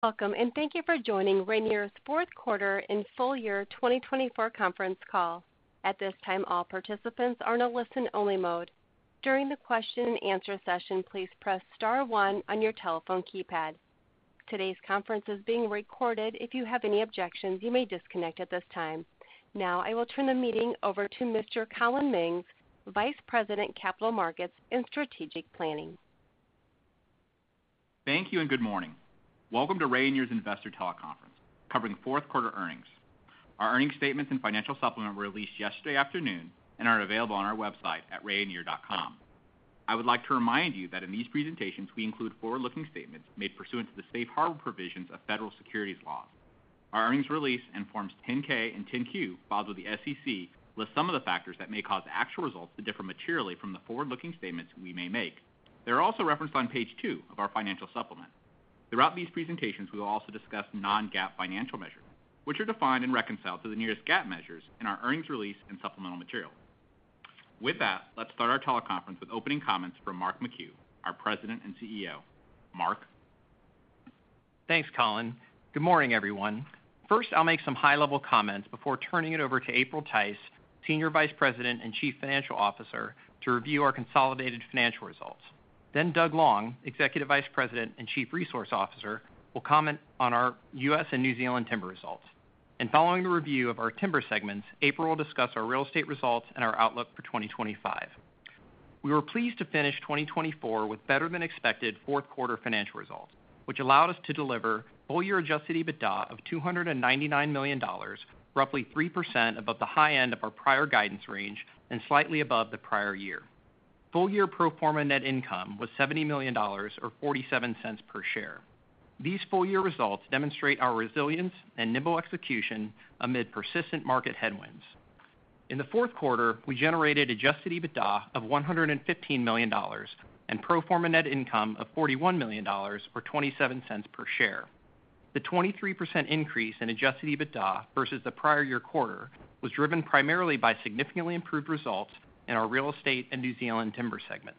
Welcome, and thank you for joining Rayonier's fourth quarter and full year 2024 conference call. At this time, all participants are in a listen-only mode. During the question-and-answer session, please press star one on your telephone keypad. Today's conference is being recorded. If you have any objections, you may disconnect at this time. Now, I will turn the meeting over to Mr. Collin Mings, Vice President, Capital Markets and Strategic Planning. Thank you, and good morning. Welcome to Rayonier's Investor Teleconference, covering fourth quarter earnings. Our earnings statements and financial supplement were released yesterday afternoon and are available on our website at rayonier.com. I would like to remind you that in these presentations, we include forward-looking statements made pursuant to the safe harbor provisions of federal securities laws. Our earnings release and Forms 10-K and 10-Q, filed with the SEC, list some of the factors that may cause actual results to differ materially from the forward-looking statements we may make. They're also referenced on page two of our financial supplement. Throughout these presentations, we will also discuss non-GAAP financial measures, which are defined and reconciled to the nearest GAAP measures in our earnings release and supplemental material. With that, let's start our teleconference with opening comments from Mark McHugh, our President and CEO. Mark. Thanks, Collin. Good morning, everyone. First, I'll make some high-level comments before turning it over to April Tice, Senior Vice President and Chief Financial Officer, to review our consolidated financial results. Then Doug Long, Executive Vice President and Chief Resource Officer, will comment on our U.S. and New Zealand timber results. And following the review of our timber segments, April will discuss our real estate results and our outlook for 2025. We were pleased to finish 2024 with better-than-expected fourth quarter financial results, which allowed us to deliver full year adjusted EBITDA of $299 million, roughly 3% above the high end of our prior guidance range and slightly above the prior-year. Full-year pro forma net income was $70 million, or $0.47 per share. These full-year results demonstrate our resilience and nimble execution amid persistent market headwinds. In the fourth quarter, we generated adjusted EBITDA of $115 million and pro forma net income of $41 million, or $0.27 per share. The 23% increase in adjusted EBITDA versus the prior-year quarter was driven primarily by significantly improved results in our real estate and New Zealand timber segment.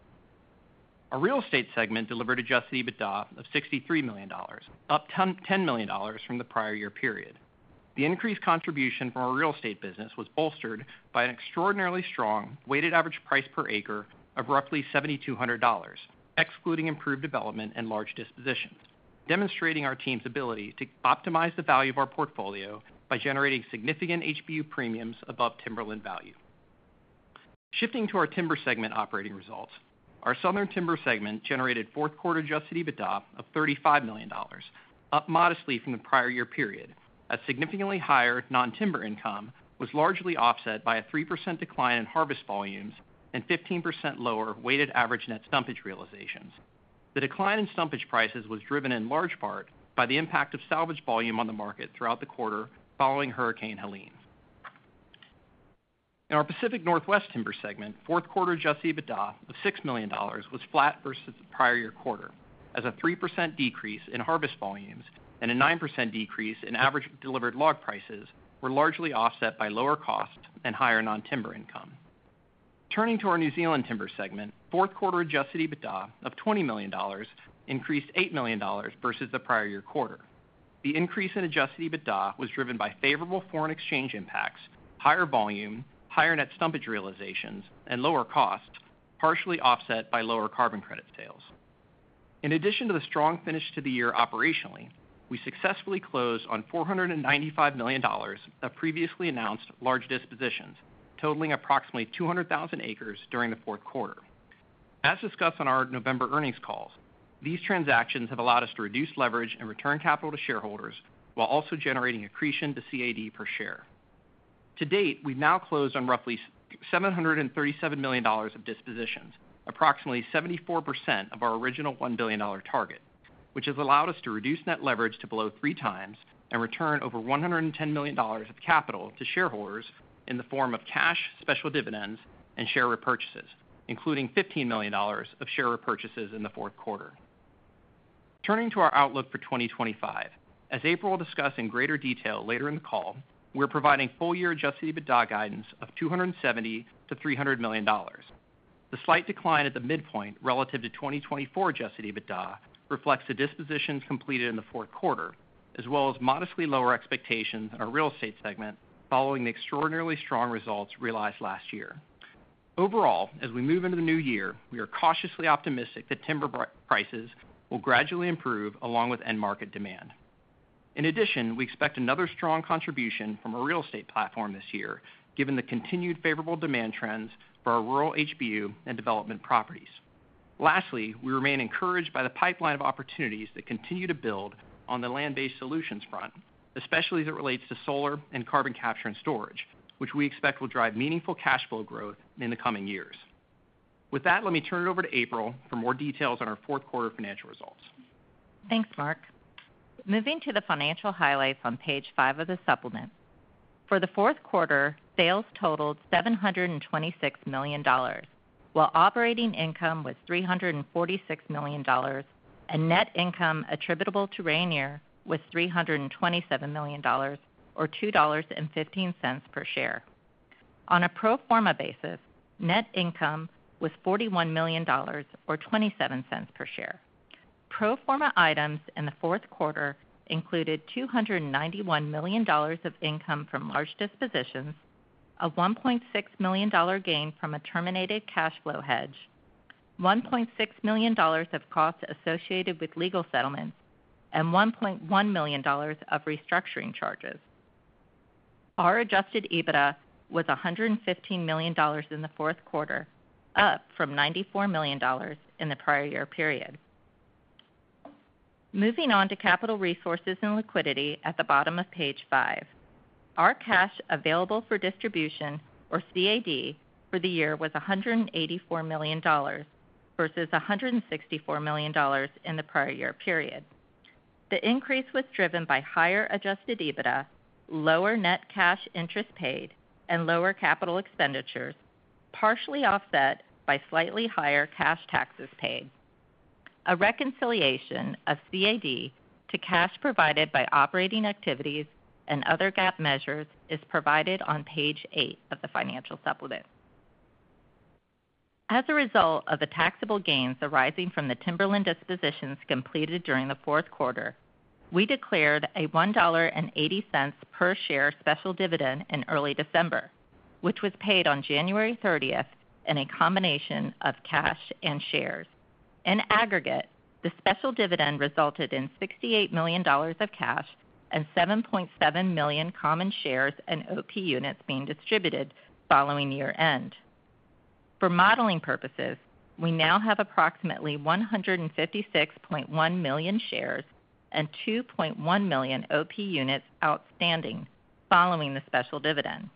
Our real estate segment delivered adjusted EBITDA of $63 million, up $10 million from the prior-year period. The increased contribution from our real estate business was bolstered by an extraordinarily strong weighted average price per acre of roughly $7,200, excluding improved development and large dispositions, demonstrating our team's ability to optimize the value of our portfolio by generating significant HBU premiums above timberland value. Shifting to our timber segment operating results, our Southern Timber segment generated fourth quarter adjusted EBITDA of $35 million, up modestly from the prior-year period, as significantly higher non-timber income was largely offset by a 3% decline in harvest volumes and 15% lower weighted average net stumpage realizations. The decline in stumpage prices was driven in large part by the impact of salvage volume on the market throughout the quarter following Hurricane Helene. In our Pacific Northwest Timber segment, fourth quarter adjusted EBITDA of $6 million was flat versus the prior-year quarter, as a 3% decrease in harvest volumes and a 9% decrease in average delivered log prices were largely offset by lower costs and higher non-timber income. Turning to our New Zealand timber segment, fourth quarter adjusted EBITDA of $20 million increased $8 million versus the prior-year quarter. The increase in adjusted EBITDA was driven by favorable foreign exchange impacts, higher volume, higher net stumpage realizations, and lower costs, partially offset by lower carbon credit sales. In addition to the strong finish to the year operationally, we successfully closed on $495 million of previously announced large dispositions, totaling approximately 200,000 acres during the fourth quarter. As discussed on our November earnings calls, these transactions have allowed us to reduce leverage and return capital to shareholders while also generating accretion to CAD per share. To date, we've now closed on roughly $737 million of dispositions, approximately 74% of our original $1 billion target, which has allowed us to reduce net leverage to below 3x and return over $110 million of capital to shareholders in the form of cash, special dividends, and share repurchases, including $15 million of share repurchases in the fourth quarter. Turning to our outlook for 2025, as April will discuss in greater detail later in the call, we're providing full year adjusted EBITDA guidance of $270 million-$300 million. The slight decline at the midpoint relative to 2024 adjusted EBITDA reflects the dispositions completed in the fourth quarter, as well as modestly lower expectations in our real estate segment following the extraordinarily strong results realized last year. Overall, as we move into the new year, we are cautiously optimistic that timber prices will gradually improve along with end market demand. In addition, we expect another strong contribution from our real estate platform this year, given the continued favorable demand trends for our rural HBU and development properties. Lastly, we remain encouraged by the pipeline of opportunities that continue to build on the land-based solutions front, especially as it relates to solar and carbon capture and storage, which we expect will drive meaningful cash flow growth in the coming years. With that, let me turn it over to April for more details on our fourth quarter financial results. Thanks, Mark. Moving to the financial highlights on page five of the supplement. For the fourth quarter, sales totaled $726 million, while operating income was $346 million, and net income attributable to Rayonier was $327 million, or $2.15 per share. On a pro forma basis, net income was $41 million, or $0.27 per share. Pro forma items in the fourth quarter included $291 million of income from large dispositions, a $1.6 million gain from a terminated cash flow hedge, $1.6 million of costs associated with legal settlements, and $1.1 million of restructuring charges. Our adjusted EBITDA was $115 million in the fourth quarter, up from $94 million in the prior-year period. Moving on to capital resources and liquidity at the bottom of page five. Our cash available for distribution, or CAD, for the year was $184 million versus $164 million in the prior-year period. The increase was driven by higher adjusted EBITDA, lower net cash interest paid, and lower capital expenditures, partially offset by slightly higher cash taxes paid. A reconciliation of CAD to cash provided by operating activities and other GAAP measures is provided on page eight of the financial supplement. As a result of the taxable gains arising from the timberland dispositions completed during the fourth quarter, we declared a $1.80 per share special dividend in early December, which was paid on January 30th in a combination of cash and shares. In aggregate, the special dividend resulted in $68 million of cash and 7.7 million common shares and OP units being distributed following year-end. For modeling purposes, we now have approximately 156.1 million shares and 2.1 million OP units outstanding following the special dividend.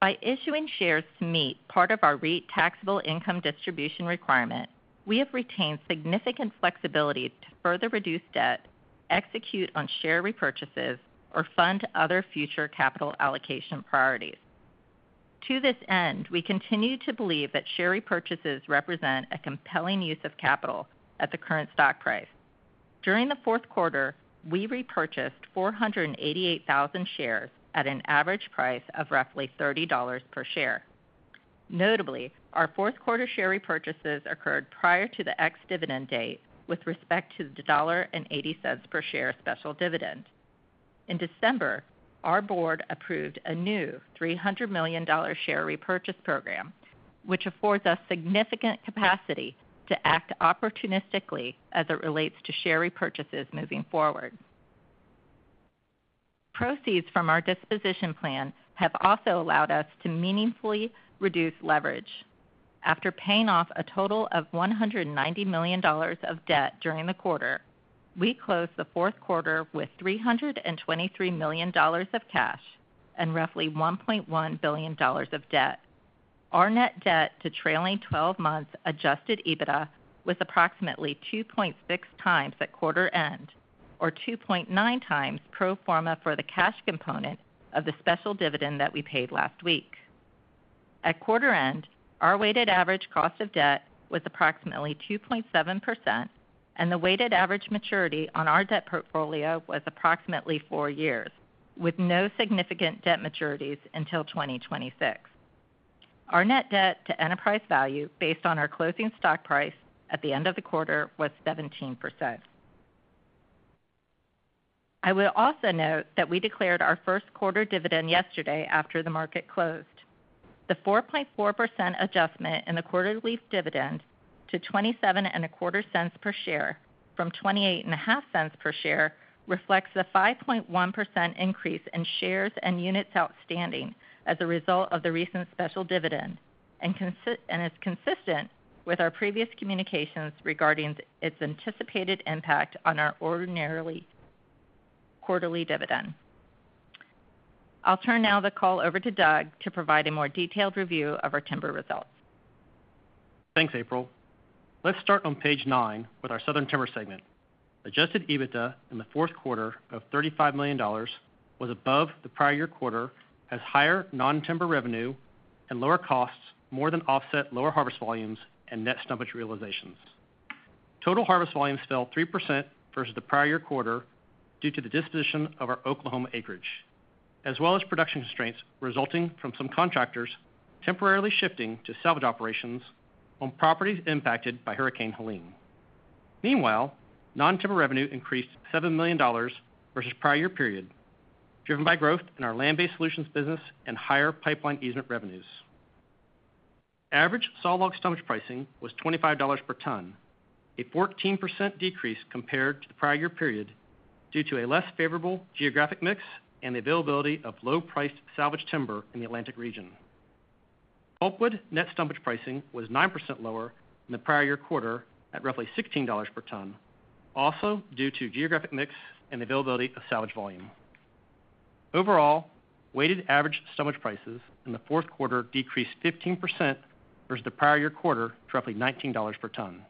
By issuing shares to meet part of our REIT taxable income distribution requirement, we have retained significant flexibility to further reduce debt, execute on share repurchases, or fund other future capital allocation priorities. To this end, we continue to believe that share repurchases represent a compelling use of capital at the current stock price. During the fourth quarter, we repurchased 488,000 shares at an average price of roughly $30 per share. Notably, our fourth quarter share repurchases occurred prior to the ex-dividend date with respect to the $1.80 per share special dividend. In December, our board approved a new $300 million share repurchase program, which affords us significant capacity to act opportunistically as it relates to share repurchases moving forward. Proceeds from our disposition plan have also allowed us to meaningfully reduce leverage. After paying off a total of $190 million of debt during the quarter, we closed the fourth quarter with $323 million of cash and roughly $1.1 billion of debt. Our net debt to trailing 12 month adjusted EBITDA was approximately 2.6x at quarter end, or 2.9x pro forma for the cash component of the special dividend that we paid last week. At quarter end, our weighted average cost of debt was approximately 2.7%, and the weighted average maturity on our debt portfolio was approximately four years, with no significant debt maturities until 2026. Our net debt to enterprise value based on our closing stock price at the end of the quarter was 17%. I would also note that we declared our first quarter dividend yesterday after the market closed. The 4.4% adjustment in the quarterly dividend to $27.25 per share from $28.5 per share reflects the 5.1% increase in shares and units outstanding as a result of the recent special dividend and is consistent with our previous communications regarding its anticipated impact on our ordinarily quarterly dividend. I'll turn now the call over to Doug to provide a more detailed review of our timber results. Thanks, April. Let's start on page nine with our Southern Timber segment. Adjusted EBITDA in the fourth quarter of $35 million was above the prior-year quarter as higher non-timber revenue and lower costs more than offset lower harvest volumes and net stumpage realizations. Total harvest volumes fell 3% versus the prior-year quarter due to the disposition of our Oklahoma acreage, as well as production constraints resulting from some contractors temporarily shifting to salvage operations on properties impacted by Hurricane Helene. Meanwhile, non-timber revenue increased $7 million versus prior-year period, driven by growth in our land-based solutions business and higher pipeline easement revenues. Average sawlog stumpage pricing was $25 per ton, a 14% decrease compared to the prior-year period due to a less favorable geographic mix and the availability of low-priced salvage timber in the Atlantic region. Oakwood net stumpage pricing was 9% lower than the prior-year quarter at roughly $16 per ton, also due to geographic mix and availability of salvage volume. Overall, weighted average stumpage prices in the fourth quarter decreased 15% versus the prior-year quarter to roughly $19 per ton.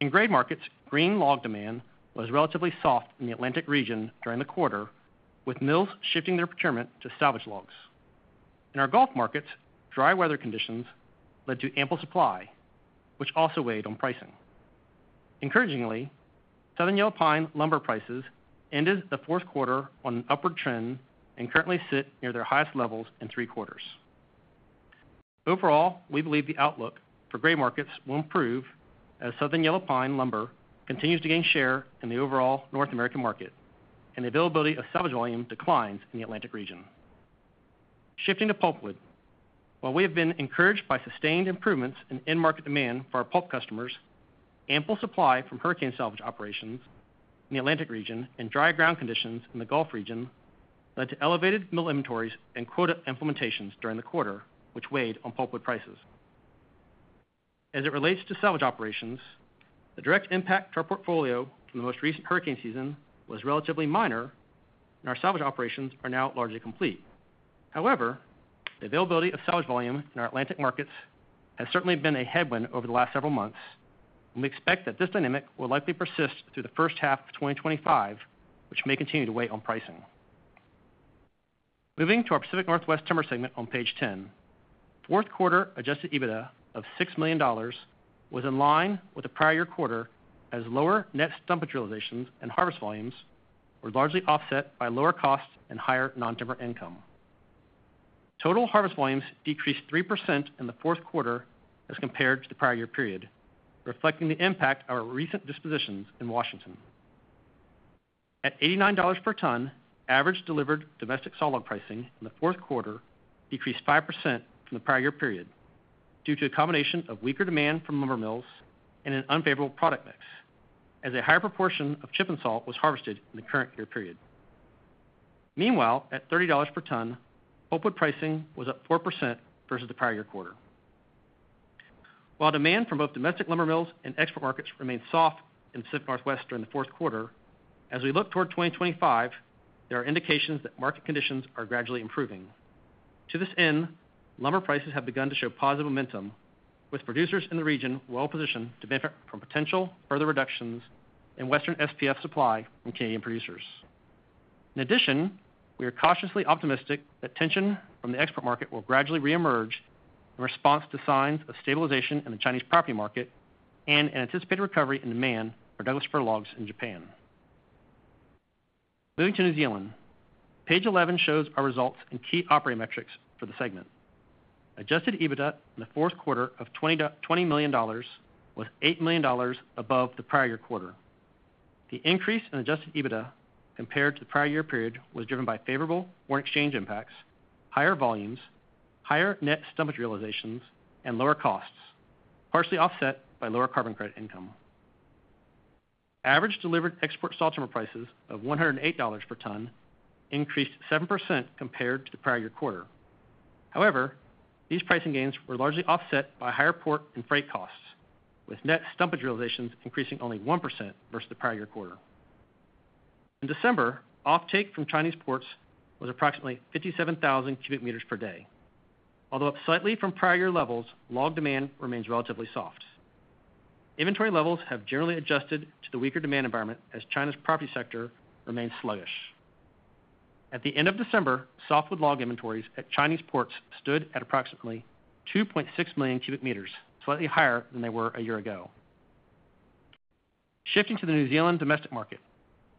In grade markets, green log demand was relatively soft in the Atlantic region during the quarter, with mills shifting their procurement to salvage logs. In our gulf markets, dry weather conditions led to ample supply, which also weighed on pricing. Encouragingly, Southern Yellow Pine lumber prices ended the fourth quarter on an upward trend and currently sit near their highest levels in three quarters. Overall, we believe the outlook for grade markets will improve as Southern Yellow Pine lumber continues to gain share in the overall North American market, and the availability of salvage volume declines in the Atlantic region. Shifting to pulpwood, while we have been encouraged by sustained improvements in end market demand for our pulp customers, ample supply from hurricane salvage operations in the Atlantic region and dry ground conditions in the Gulf region led to elevated mill inventories and quota implementations during the quarter, which weighed on pulpwood prices. As it relates to salvage operations, the direct impact to our portfolio from the most recent hurricane season was relatively minor, and our salvage operations are now largely complete. However, the availability of salvage volume in our Atlantic markets has certainly been a headwind over the last several months, and we expect that this dynamic will likely persist through the first half of 2025, which may continue to weigh on pricing. Moving to our Pacific Northwest Timber segment on page 10, fourth quarter adjusted EBITDA of $6 million was in line with the prior-year quarter as lower net stumpage realizations and harvest volumes were largely offset by lower costs and higher non-timber income. Total harvest volumes decreased 3% in the fourth quarter as compared to the prior-year period, reflecting the impact of our recent dispositions in Washington. At $89 per ton, average delivered domestic sawlog pricing in the fourth quarter decreased 5% from the prior-year period due to a combination of weaker demand from lumber mills and an unfavorable product mix, as a higher proportion of chip-n-saw was harvested in the current year period. Meanwhile, at $30 per ton, pulpwood pricing was up 4% versus the prior-year quarter. While demand from both domestic lumber mills and export markets remained soft in the Pacific Northwest during the fourth quarter, as we look toward 2025, there are indications that market conditions are gradually improving. To this end, lumber prices have begun to show positive momentum, with producers in the region well positioned to benefit from potential further reductions in Western SPF supply from Canadian producers. In addition, we are cautiously optimistic that tension from the export market will gradually reemerge in response to signs of stabilization in the Chinese property market and an anticipated recovery in demand for Douglas-fir logs in Japan. Moving to New Zealand, page 11 shows our results and key operating metrics for the segment. Adjusted EBITDA in the fourth quarter of $20 million was $8 million above the prior-year quarter. The increase in adjusted EBITDA compared to the prior-year period was driven by favorable foreign exchange impacts, higher volumes, higher net stumpage realizations, and lower costs, partially offset by lower carbon credit income. Average delivered export saw timber prices of $108 per ton increased 7% compared to the prior-year quarter. However, these pricing gains were largely offset by higher port and freight costs, with net stumpage realizations increasing only 1% versus the prior-year quarter. In December, offtake from Chinese ports was approximately 57,000 cu m per day. Although up slightly from prior-year levels, log demand remains relatively soft. Inventory levels have generally adjusted to the weaker demand environment as China's property sector remains sluggish. At the end of December, softwood log inventories at Chinese ports stood at approximately 2.6 million cu m, slightly higher than they were a year ago. Shifting to the New Zealand domestic market,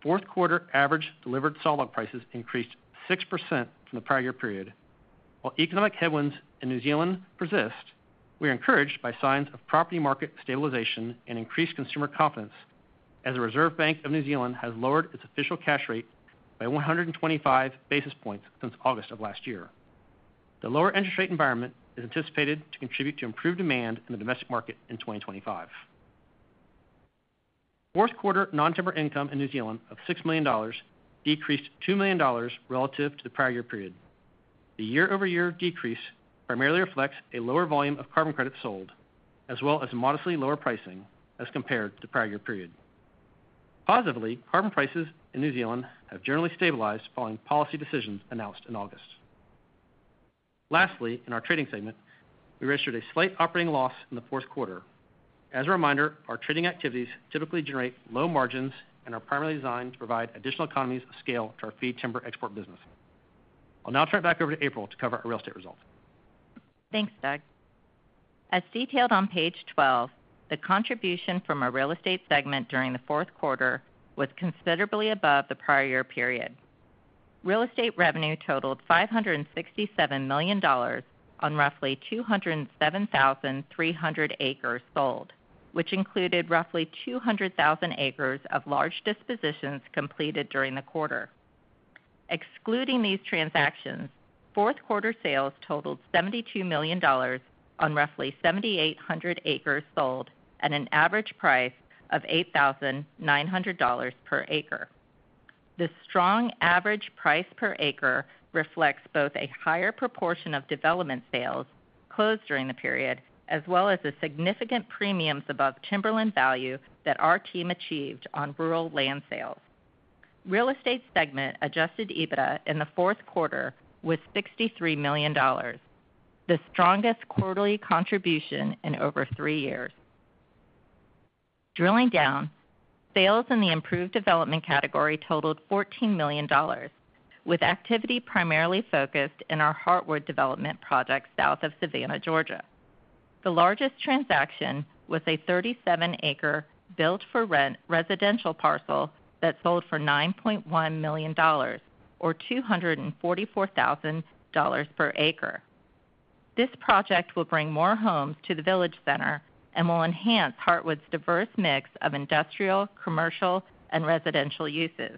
fourth quarter average delivered sawlog prices increased 6% from the prior-year period. While economic headwinds in New Zealand persist, we are encouraged by signs of property market stabilization and increased consumer confidence as the Reserve Bank of New Zealand has lowered its official cash rate by 125 basis points since August of last year. The lower interest rate environment is anticipated to contribute to improved demand in the domestic market in 2025. Fourth quarter non-timber income in New Zealand of $6 million decreased $2 million relative to the prior-year period. The year-over-year decrease primarily reflects a lower volume of carbon credits sold, as well as modestly lower pricing as compared to the prior-year period. Positively, carbon prices in New Zealand have generally stabilized following policy decisions announced in August. Lastly, in our trading segment, we registered a slight operating loss in the fourth quarter. As a reminder, our trading activities typically generate low margins and are primarily designed to provide additional economies of scale to our fee timber export business. I'll now turn it back over to April to cover our real estate results. Thanks, Doug. As detailed on page 12, the contribution from our real estate segment during the fourth quarter was considerably above the prior-year period. Real estate revenue totaled $567 million on roughly 207,300 acres sold, which included roughly 200,000 acres of large dispositions completed during the quarter. Excluding these transactions, fourth quarter sales totaled $72 million on roughly 7,800 acres sold at an average price of $8,900 per acre. This strong average price per acre reflects both a higher proportion of development sales closed during the period, as well as the significant premiums above timberland value that our team achieved on rural land sales. Real estate segment adjusted EBITDA in the fourth quarter was $63 million, the strongest quarterly contribution in over three years. Drilling down, sales in the improved development category totaled $14 million, with activity primarily focused in our Heartwood development project south of Savannah, Georgia. The largest transaction was a 37-acre built-for-rent residential parcel that sold for $9.1 million, or $244,000 per acre. This project will bring more homes to the village center and will enhance Heartwood's diverse mix of industrial, commercial, and residential uses.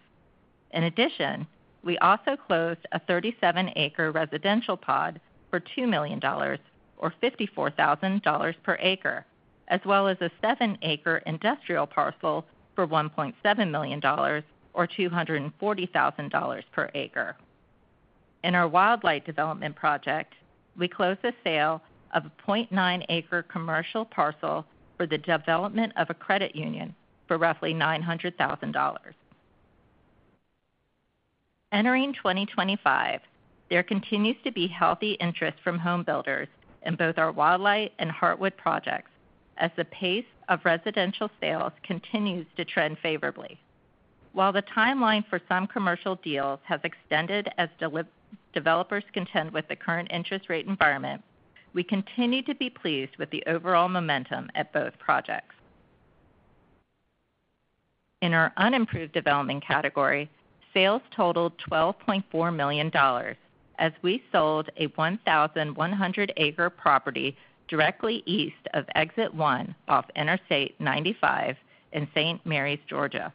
In addition, we also closed a 37-acre residential pod for $2 million, or $54,000 per acre, as well as a 7-acre industrial parcel for $1.7 million, or $240,000 per acre. In our Wildlight development project, we closed a sale of a 0.9-acre commercial parcel for the development of a credit union for roughly $900,000. Entering 2025, there continues to be healthy interest from homebuilders in both our Wildlight and Heartwood projects as the pace of residential sales continues to trend favorably. While the timeline for some commercial deals has extended as developers contend with the current interest rate environment, we continue to be pleased with the overall momentum at both projects. In our unimproved development category, sales totaled $12.4 million, as we sold a 1,100-acre property directly east of Exit 1 of Interstate 95 in St. Marys, Georgia.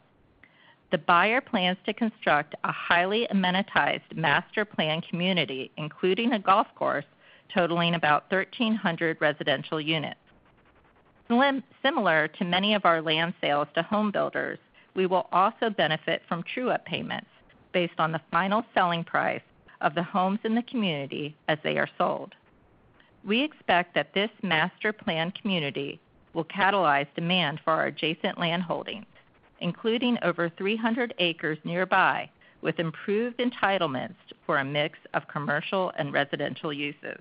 The buyer plans to construct a highly amenitized master plan community, including a golf course totaling about 1,300 residential units. Similar to many of our land sales to homebuilders, we will also benefit from true-up payments based on the final selling price of the homes in the community as they are sold. We expect that this master plan community will catalyze demand for our adjacent land holdings, including over 300 acres nearby, with improved entitlements for a mix of commercial and residential uses.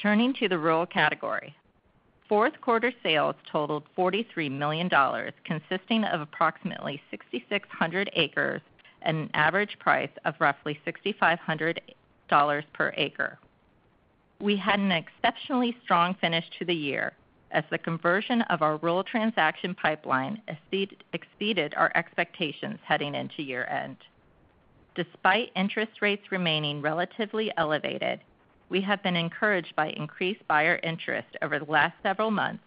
Turning to the rural category, fourth quarter sales totaled $43 million, consisting of approximately 6,600 acres and an average price of roughly $6,500 per acre. We had an exceptionally strong finish to the year as the conversion of our rural transaction pipeline exceeded our expectations heading into year-end. Despite interest rates remaining relatively elevated, we have been encouraged by increased buyer interest over the last several months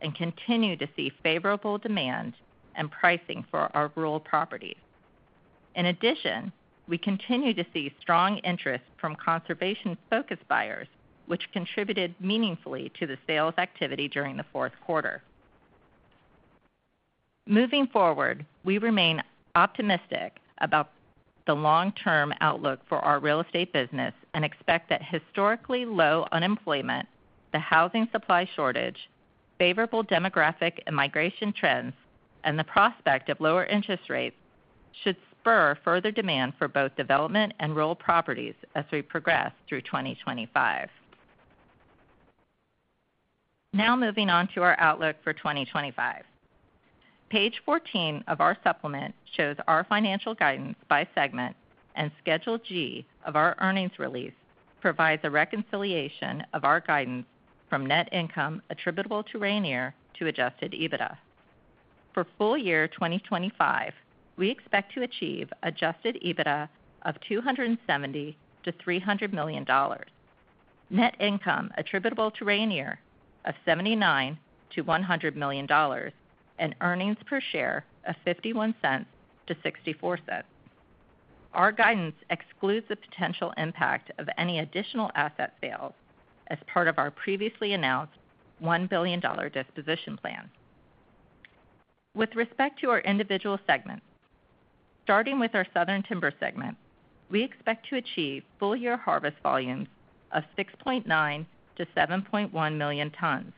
and continue to see favorable demand and pricing for our rural properties. In addition, we continue to see strong interest from conservation-focused buyers, which contributed meaningfully to the sales activity during the fourth quarter. Moving forward, we remain optimistic about the long-term outlook for our real estate business and expect that historically low unemployment, the housing supply shortage, favorable demographic and migration trends, and the prospect of lower interest rates should spur further demand for both development and rural properties as we progress through 2025. Now moving on to our outlook for 2025. Page 14 of our supplement shows our financial guidance by segment, and Schedule G of our earnings release provides a reconciliation of our guidance from net income attributable to Rayonier to adjusted EBITDA. For full year 2025, we expect to achieve adjusted EBITDA of $270 million-$300 million, net income attributable to Rayonier of $79 million-$100 million, and earnings per share of $0.51-$0.64. Our guidance excludes the potential impact of any additional asset sales as part of our previously announced $1 billion disposition plan. With respect to our individual segments, starting with our Southern Timber segment, we expect to achieve full year harvest volumes of 6.9 million-7.1 million tons,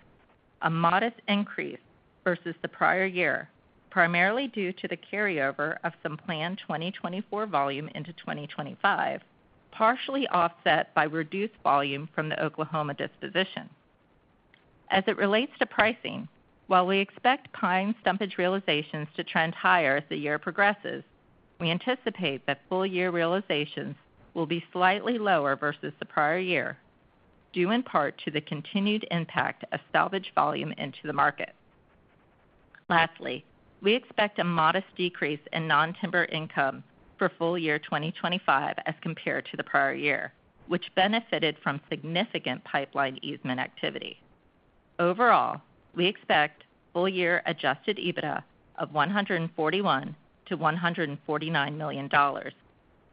a modest increase versus the prior year, primarily due to the carryover of some planned 2024 volume into 2025, partially offset by reduced volume from the Oklahoma disposition. As it relates to pricing, while we expect pine stumpage realizations to trend higher as the year progresses, we anticipate that full year realizations will be slightly lower versus the prior year, due in part to the continued impact of salvage volume into the market. Lastly, we expect a modest decrease in non-timber income for full year 2025 as compared to the prior year, which benefited from significant pipeline easement activity. Overall, we expect full year adjusted EBITDA of $141 million-$149 million,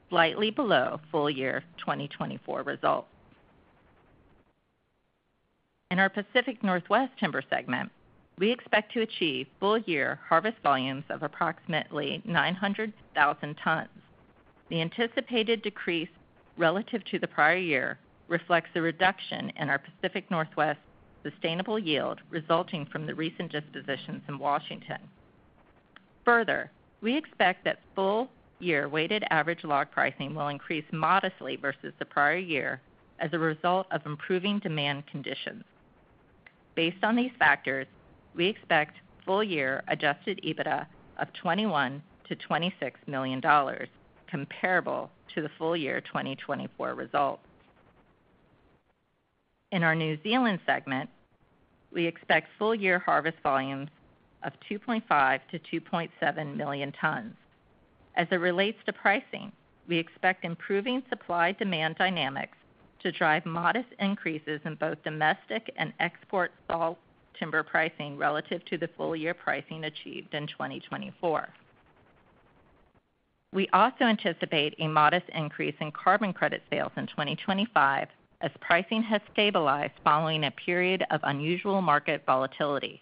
slightly below full year 2024 results. In our Pacific Northwest Timber segment, we expect to achieve full year harvest volumes of approximately 900,000 tons. The anticipated decrease relative to the prior year reflects a reduction in our Pacific Northwest sustainable yield resulting from the recent dispositions in Washington. Further, we expect that full year weighted average log pricing will increase modestly versus the prior year as a result of improving demand conditions. Based on these factors, we expect full year adjusted EBITDA of $21 million-$26 million, comparable to the full year 2024 results. In our New Zealand segment, we expect full year harvest volumes of 2.5 million-2.7 million tons. As it relates to pricing, we expect improving supply-demand dynamics to drive modest increases in both domestic and export saw timber pricing relative to the full year pricing achieved in 2024. We also anticipate a modest increase in carbon credit sales in 2025 as pricing has stabilized following a period of unusual market volatility.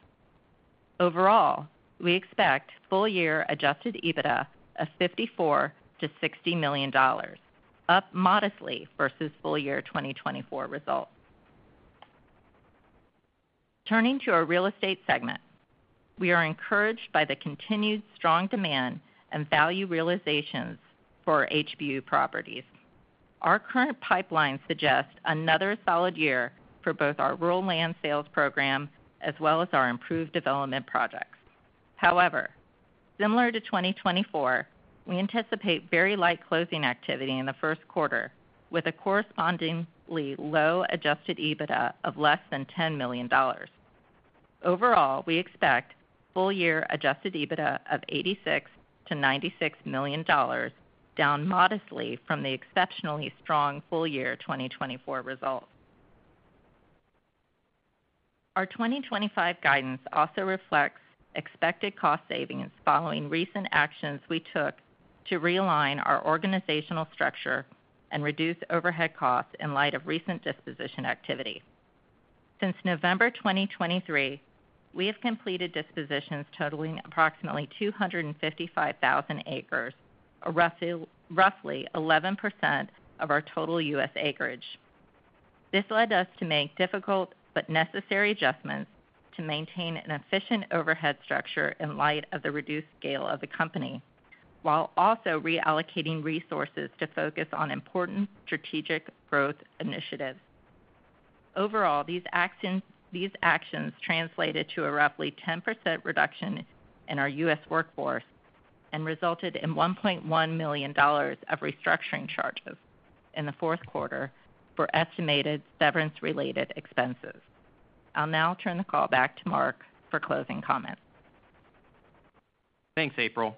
Overall, we expect full year adjusted EBITDA of $54 million-$60 million, up modestly versus full year 2024 results. Turning to our real estate segment, we are encouraged by the continued strong demand and value realizations for HBU properties. Our current pipeline suggests another solid year for both our rural land sales program as well as our improved development projects. However, similar to 2024, we anticipate very light closing activity in the first quarter with a correspondingly low adjusted EBITDA of less than $10 million. Overall, we expect full year adjusted EBITDA of $86 million-$96 million, down modestly from the exceptionally strong full year 2024 results. Our 2025 guidance also reflects expected cost savings following recent actions we took to realign our organizational structure and reduce overhead costs in light of recent disposition activity. Since November 2023, we have completed dispositions totaling approximately 255,000 acres, or roughly 11% of our total U.S. acreage. This led us to make difficult but necessary adjustments to maintain an efficient overhead structure in light of the reduced scale of the company, while also reallocating resources to focus on important strategic growth initiatives. Overall, these actions translated to a roughly 10% reduction in our U.S. workforce and resulted in $1.1 million of restructuring charges in the fourth quarter for estimated severance-related expenses. I'll now turn the call back to Mark for closing comments. Thanks, April.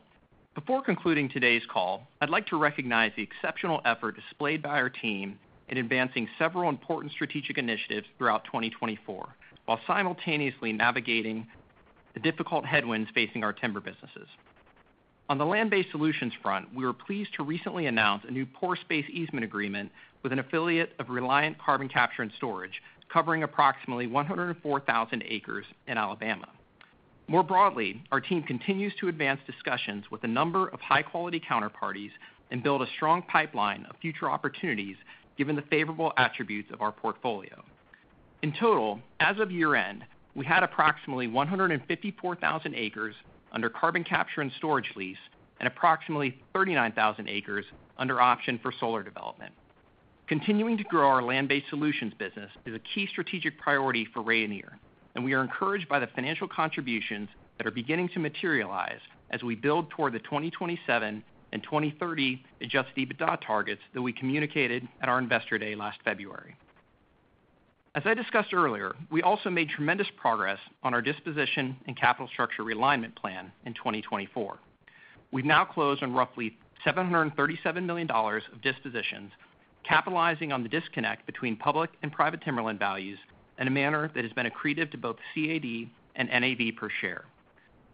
Before concluding today's call, I'd like to recognize the exceptional effort displayed by our team in advancing several important strategic initiatives throughout 2024, while simultaneously navigating the difficult headwinds facing our timber businesses. On the land-based solutions front, we were pleased to recently announce a new pore space easement agreement with an affiliate of Reliant Carbon Capture and Storage, covering approximately 104,000 acres in Alabama. More broadly, our team continues to advance discussions with a number of high-quality counterparties and build a strong pipeline of future opportunities, given the favorable attributes of our portfolio. In total, as of year-end, we had approximately 154,000 acres under carbon capture and storage lease and approximately 39,000 acres under option for solar development. Continuing to grow our land-based solutions business is a key strategic priority for Rayonier, and we are encouraged by the financial contributions that are beginning to materialize as we build toward the 2027 and 2030 adjusted EBITDA targets that we communicated at our Investor Day last February. As I discussed earlier, we also made tremendous progress on our disposition and capital structure realignment plan in 2024. We've now closed on roughly $737 million of dispositions, capitalizing on the disconnect between public and private timberland values in a manner that has been accretive to both CAD and NAV per share.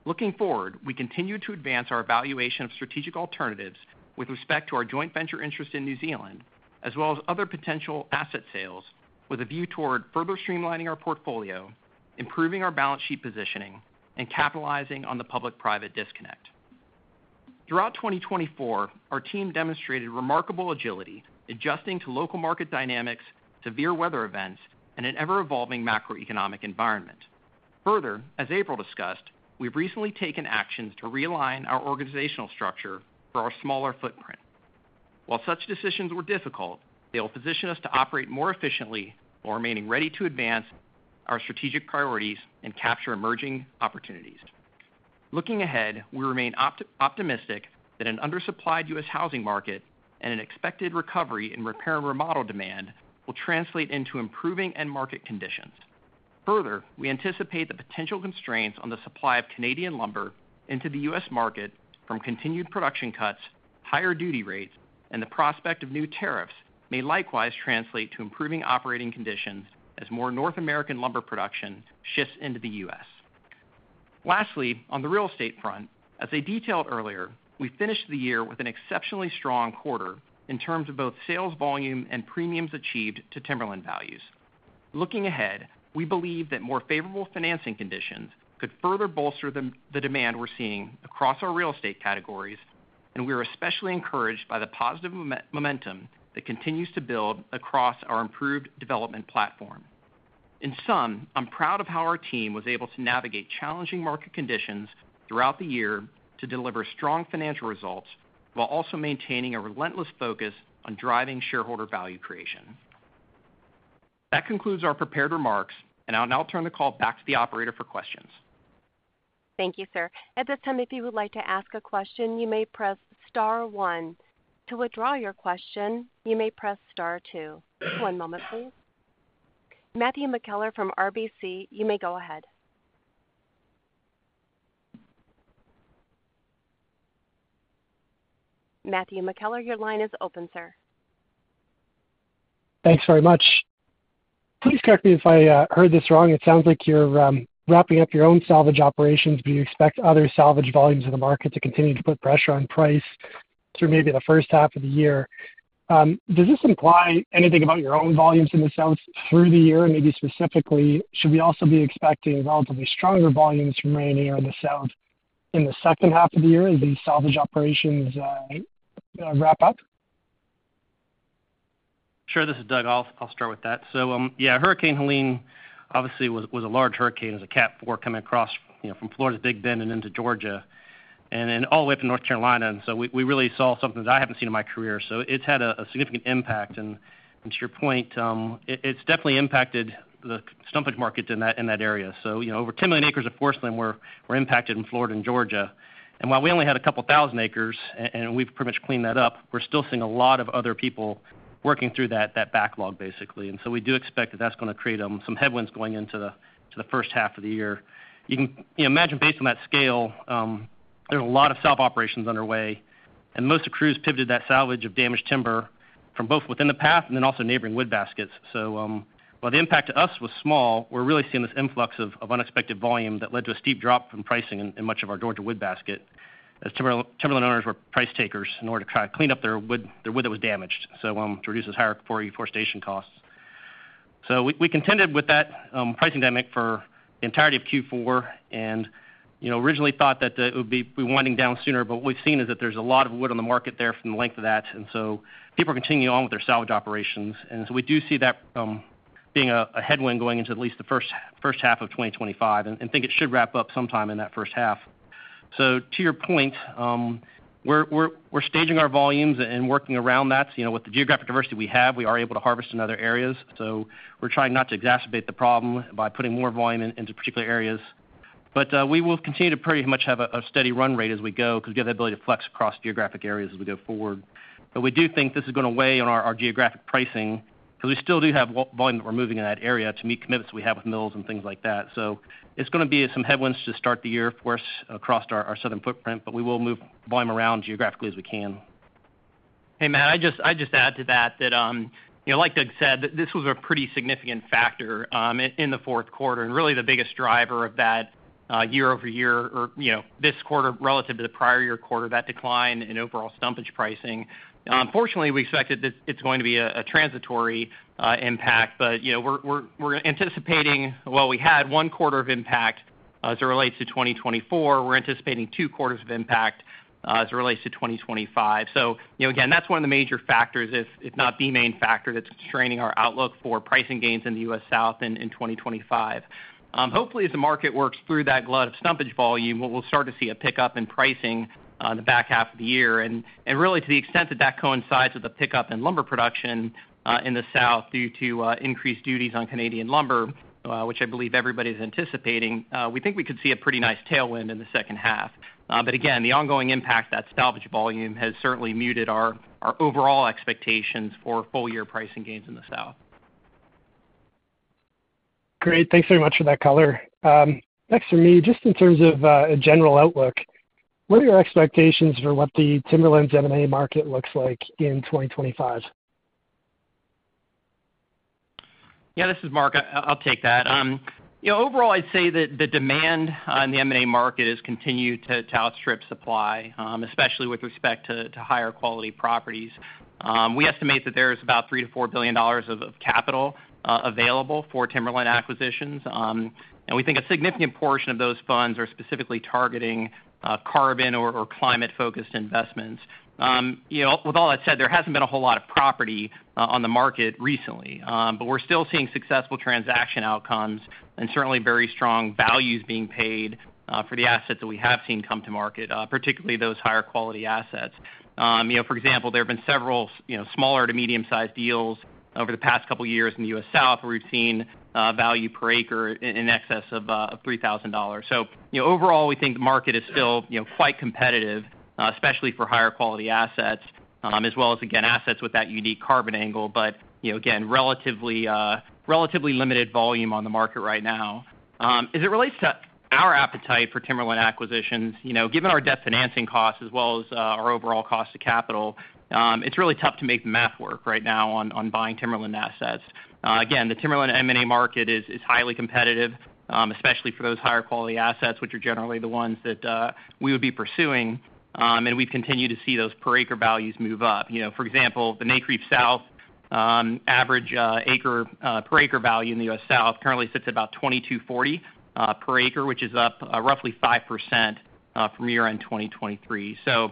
Looking forward, we continue to advance our evaluation of strategic alternatives with respect to our joint venture interest in New Zealand, as well as other potential asset sales, with a view toward further streamlining our portfolio, improving our balance sheet positioning, and capitalizing on the public-private disconnect. Throughout 2024, our team demonstrated remarkable agility, adjusting to local market dynamics, severe weather events, and an ever-evolving macroeconomic environment. Further, as April discussed, we've recently taken actions to realign our organizational structure for our smaller footprint. While such decisions were difficult, they will position us to operate more efficiently while remaining ready to advance our strategic priorities and capture emerging opportunities. Looking ahead, we remain optimistic that an undersupplied U.S. housing market and an expected recovery in repair and remodel demand will translate into improving end market conditions. Further, we anticipate the potential constraints on the supply of Canadian lumber into the U.S. market from continued production cuts, higher duty rates, and the prospect of new tariffs may likewise translate to improving operating conditions as more North American lumber production shifts into the U.S. Lastly, on the real estate front, as I detailed earlier, we finished the year with an exceptionally strong quarter in terms of both sales volume and premiums achieved to timberland values. Looking ahead, we believe that more favorable financing conditions could further bolster the demand we're seeing across our real estate categories, and we are especially encouraged by the positive momentum that continues to build across our improved development platform. In sum, I'm proud of how our team was able to navigate challenging market conditions throughout the year to deliver strong financial results while also maintaining a relentless focus on driving shareholder value creation. That concludes our prepared remarks, and I'll now turn the call back to the operator for questions. Thank you, sir. At this time, if you would like to ask a question, you may press Star one. To withdraw your question, you may press star two. One moment, please. Matthew McKellar from RBC, you may go ahead. Matthew McKellar, your line is open, sir. Thanks very much. Please correct me if I heard this wrong. It sounds like you're wrapping up your own salvage operations, but you expect other salvage volumes in the market to continue to put pressure on price through maybe the first half of the year. Does this imply anything about your own volumes in the south through the year, and maybe specifically, should we also be expecting relatively stronger volumes from Rayonier in the south in the second half of the year as these salvage operations wrap up? Sure, this is Doug. I'll start with that. So yeah, Hurricane Helene obviously was a large hurricane as a Cat 4 coming across from Florida's Big Bend and into Georgia and then all the way up to North Carolina. And so we really saw something that I haven't seen in my career. So it's had a significant impact. And to your point, it's definitely impacted the stumpage market in that area. So over 10 million acres of forest were impacted in Florida and Georgia. And while we only had a couple thousand acres and we've pretty much cleaned that up, we're still seeing a lot of other people working through that backlog, basically. And so we do expect that that's going to create some headwinds going into the first half of the year. You can imagine, based on that scale, there's a lot of Southern operations underway, and most of our crews pivoted to the salvage of damaged timber from both within the path and then also neighboring wood baskets. So while the impact to us was small, we're really seeing this influx of unexpected volume that led to a steep drop in pricing in much of our Georgia wood basket as timberland owners were price takers in order to try to clean up their wood that was damaged to reduce those higher costs for reforestation. So we contended with that pricing dynamic for the entirety of Q4 and originally thought that it would be winding down sooner, but what we've seen is that there's a lot of wood on the market there from the length of that, and so people are continuing on with their salvage operations. And so we do see that being a headwind going into at least the first half of 2025 and think it should wrap up sometime in that first half. So to your point, we're staging our volumes and working around that. With the geographic diversity we have, we are able to harvest in other areas. So we're trying not to exacerbate the problem by putting more volume into particular areas. But we will continue to pretty much have a steady run rate as we go because we have the ability to flex across geographic areas as we go forward. But we do think this is going to weigh on our geographic pricing because we still do have volume that we're moving in that area to meet commitments that we have with mills and things like that. So it's going to be some headwinds to start the year for us across our Southern footprint, but we will move volume around geographically as we can. Hey, Matt, I just add to that that, like Doug said, this was a pretty significant factor in the fourth quarter and really the biggest driver of that year-over-year or this quarter relative to the prior-year quarter, that decline in overall stumpage pricing. Fortunately, we expected it's going to be a transitory impact, but we're anticipating while we had one quarter of impact as it relates to 2024, we're anticipating two quarters of impact as it relates to 2025. So again, that's one of the major factors, if not the main factor that's constraining our outlook for pricing gains in the U.S. South in 2025. Hopefully, as the market works through that glut of stumpage volume, we'll start to see a pickup in pricing in the back half of the year. Really, to the extent that that coincides with the pickup in lumber production in the South due to increased duties on Canadian lumber, which I believe everybody is anticipating, we think we could see a pretty nice tailwind in the second half. But again, the ongoing impact that salvage volume has certainly muted our overall expectations for full year pricing gains in the south. Great. Thanks very much for that color. Next from me, just in terms of a general outlook, what are your expectations for what the timberland M&A market looks like in 2025? Yeah, this is Mark. I'll take that. Overall, I'd say that the demand on the M&A market has continued to outstrip supply, especially with respect to higher quality properties. We estimate that there is about $3 billion-$4 billion of capital available for timberland acquisitions. And we think a significant portion of those funds are specifically targeting carbon or climate-focused investments. With all that said, there hasn't been a whole lot of property on the market recently, but we're still seeing successful transaction outcomes and certainly very strong values being paid for the assets that we have seen come to market, particularly those higher quality assets. For example, there have been several smaller to medium-sized deals over the past couple of years in the U.S. South where we've seen value per acre in excess of $3,000. So overall, we think the market is still quite competitive, especially for higher quality assets, as well as, again, assets with that unique carbon angle, but again, relatively limited volume on the market right now. As it relates to our appetite for timberland acquisitions, given our debt financing costs as well as our overall cost of capital, it's really tough to make the math work right now on buying timberland assets. Again, the timberland M&A market is highly competitive, especially for those higher quality assets, which are generally the ones that we would be pursuing. And we've continued to see those per acre values move up. For example, the NCREIF South average per acre value in the U.S. South currently sits at about $2,240 per acre, which is up roughly 5% from year-end 2023. So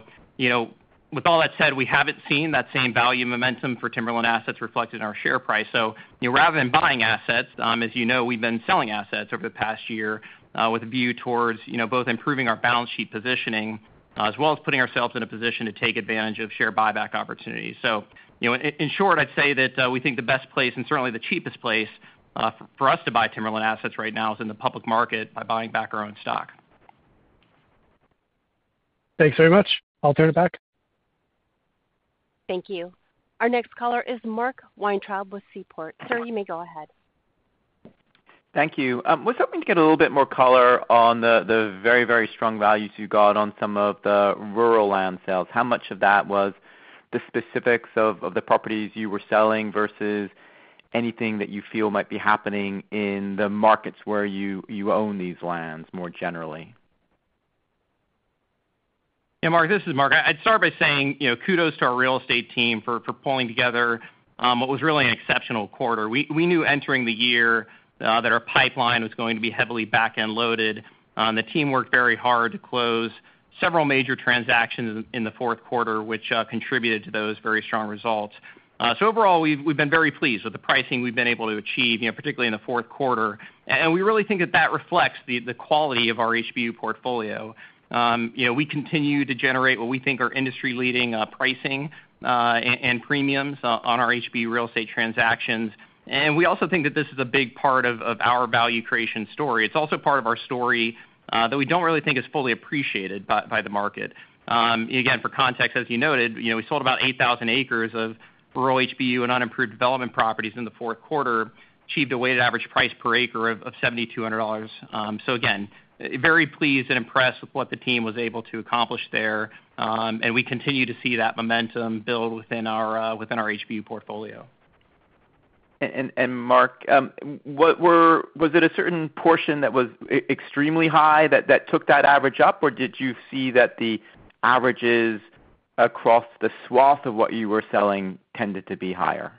with all that said, we haven't seen that same value momentum for timberland assets reflected in our share price. So rather than buying assets, as you know, we've been selling assets over the past year with a view towards both improving our balance sheet positioning as well as putting ourselves in a position to take advantage of share buyback opportunities. So in short, I'd say that we think the best place and certainly the cheapest place for us to buy timberland assets right now is in the public market by buying back our own stock. Thanks very much. I'll turn it back. Thank you. Our next caller is Mark Weintraub with Seaport. Sir, you may go ahead. Thank you. I was hoping to get a little bit more color on the very, very strong values you got on some of the rural land sales. How much of that was the specifics of the properties you were selling versus anything that you feel might be happening in the markets where you own these lands more generally? Yeah, Mark, this is Mark. I'd start by saying kudos to our real estate team for pulling together what was really an exceptional quarter. We knew entering the year that our pipeline was going to be heavily back-end loaded. The team worked very hard to close several major transactions in the fourth quarter, which contributed to those very strong results. So overall, we've been very pleased with the pricing we've been able to achieve, particularly in the fourth quarter. And we really think that that reflects the quality of our HBU portfolio. We continue to generate what we think are industry-leading pricing and premiums on our HBU real estate transactions. And we also think that this is a big part of our value creation story. It's also part of our story that we don't really think is fully appreciated by the market. Again, for context, as you noted, we sold about 8,000 acres of rural HBU and unimproved development properties in the fourth quarter, achieved a weighted average price per acre of $7,200, so again, very pleased and impressed with what the team was able to accomplish there, and we continue to see that momentum build within our HBU portfolio. Mark, was it a certain portion that was extremely high that took that average up, or did you see that the averages across the swath of what you were selling tended to be higher?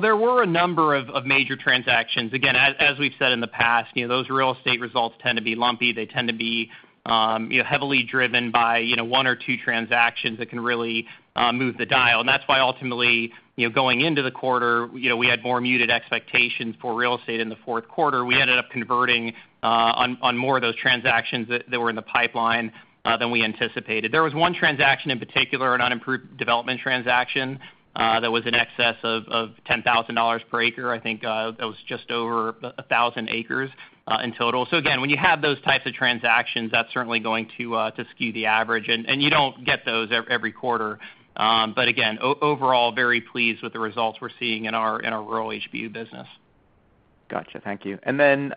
There were a number of major transactions. Again, as we've said in the past, those real estate results tend to be lumpy. They tend to be heavily driven by one or two transactions that can really move the dial. That's why ultimately, going into the quarter, we had more muted expectations for real estate in the fourth quarter. We ended up converting on more of those transactions that were in the pipeline than we anticipated. There was one transaction in particular, an unimproved development transaction that was in excess of $10,000 per acre. I think that was just over 1,000 acres in total. Again, when you have those types of transactions, that's certainly going to skew the average. You don't get those every quarter. Again, overall, very pleased with the results we're seeing in our rural HBU business. Gotcha. Thank you. And then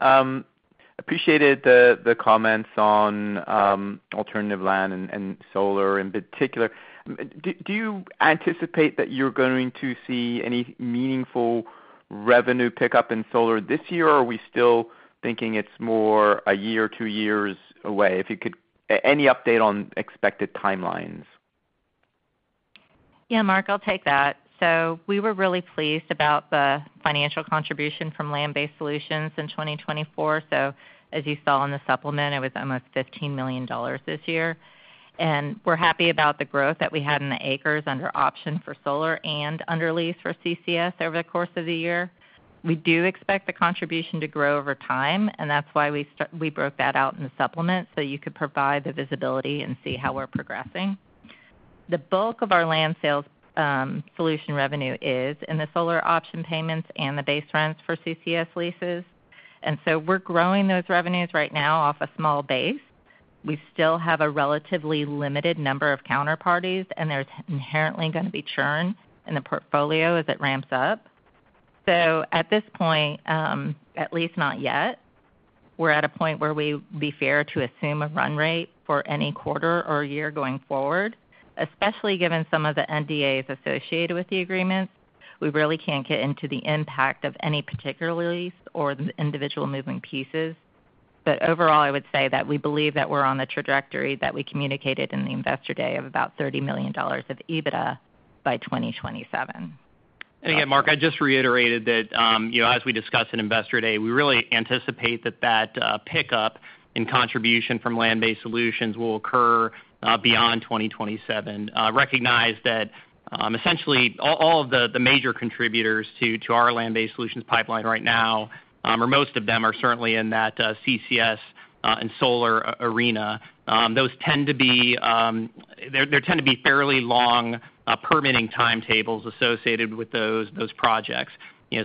appreciated the comments on alternative land and solar in particular. Do you anticipate that you're going to see any meaningful revenue pickup in solar this year, or are we still thinking it's more a year or two years away? Any update on expected timelines? Yeah, Mark, I'll take that. So we were really pleased about the financial contribution from land-based solutions in 2024. So as you saw in the supplement, it was almost $15 million this year. And we're happy about the growth that we had in the acres under option for solar and under lease for CCS over the course of the year. We do expect the contribution to grow over time, and that's why we broke that out in the supplement so you could provide the visibility and see how we're progressing. The bulk of our land-based solutions revenue is in the solar option payments and the base rents for CCS leases. And so we're growing those revenues right now off a small base. We still have a relatively limited number of counterparties, and there's inherently going to be churn in the portfolio as it ramps up. At this point, at least not yet, we're at a point where we would be fair to assume a run rate for any quarter or year going forward, especially given some of the NDAs associated with the agreements. We really can't get into the impact of any particular lease or the individual moving pieces. Overall, I would say that we believe that we're on the trajectory that we communicated in the Investor Day of about $30 million of EBITDA by 2027. And again, Mark, I just reiterated that as we discuss in Investor Day, we really anticipate that that pickup in contribution from land-based solutions will occur beyond 2027. Recognize that essentially all of the major contributors to our land-based solutions pipeline right now, or most of them are certainly in that CCS and solar arena. Those tend to be fairly long permitting timetables associated with those projects.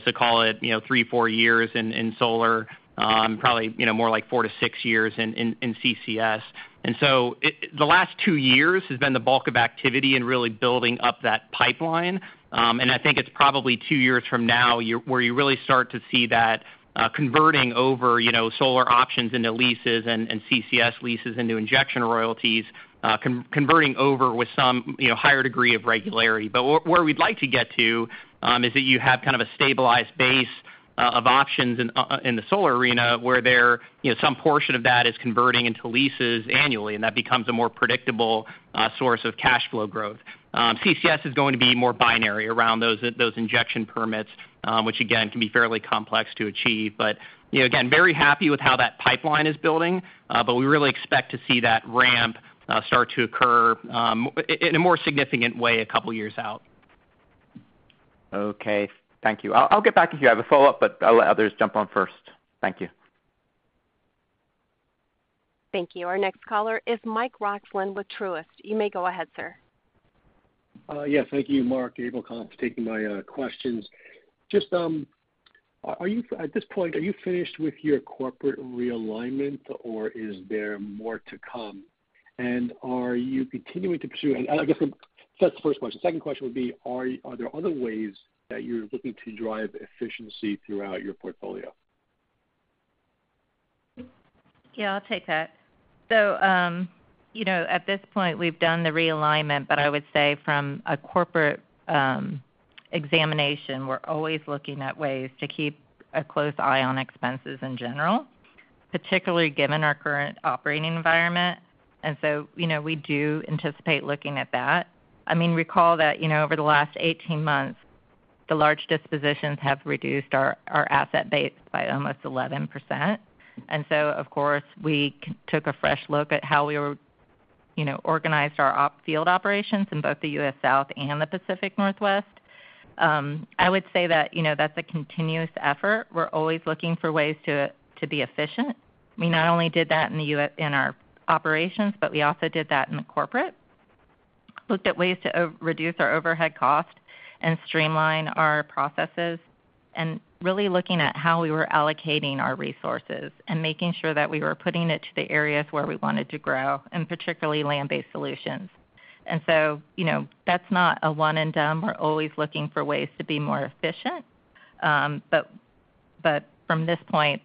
So call it three-four years in solar, probably more like four to six years in CCS. And so the last two years has been the bulk of activity in really building up that pipeline. And I think it's probably two years from now where you really start to see that converting over solar options into leases and CCS leases into injection royalties, converting over with some higher degree of regularity. But where we'd like to get to is that you have kind of a stabilized base of options in the solar arena where some portion of that is converting into leases annually, and that becomes a more predictable source of cash flow growth. CCS is going to be more binary around those injection permits, which again can be fairly complex to achieve. But again, very happy with how that pipeline is building, but we really expect to see that ramp start to occur in a more significant way a couple of years out. Okay. Thank you. I'll get back to you. I have a follow-up, but I'll let others jump on first. Thank you. Thank you. Our next caller is Mike Roxland with Truist. You may go ahead, sir. Yes. Thank you, Mark, for taking my questions. Just at this point, are you finished with your corporate realignment, or is there more to come? And are you continuing to pursue? I guess that's the first question. The second question would be, are there other ways that you're looking to drive efficiency throughout your portfolio? Yeah, I'll take that. So at this point, we've done the realignment, but I would say from a corporate examination, we're always looking at ways to keep a close eye on expenses in general, particularly given our current operating environment. And so we do anticipate looking at that. I mean, recall that over the last 18 months, the large dispositions have reduced our asset base by almost 11%. And so, of course, we took a fresh look at how we organized our field operations in both the U.S. South and the Pacific Northwest. I would say that that's a continuous effort. We're always looking for ways to be efficient. We not only did that in our operations, but we also did that in the corporate. Looked at ways to reduce our overhead cost and streamline our processes, and really looking at how we were allocating our resources and making sure that we were putting it to the areas where we wanted to grow, and particularly land-based solutions, and so that's not a one-and-done. We're always looking for ways to be more efficient, but from this point,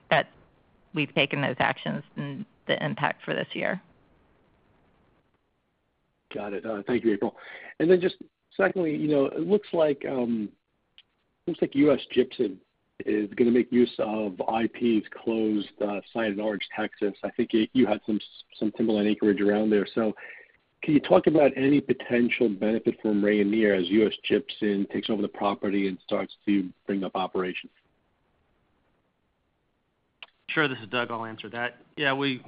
we've taken those actions and the impact for this year. Got it. Thank you, April. And then just secondly, it looks like U.S. Gypsum is going to make use of IP's closed site in Orange, Texas. I think you had some timberland acreage around there. So can you talk about any potential benefit from Rayonier as U.S. Gypsum takes over the property and starts to ramp up operations? Sure. This is Doug. I'll answer that. Yeah, we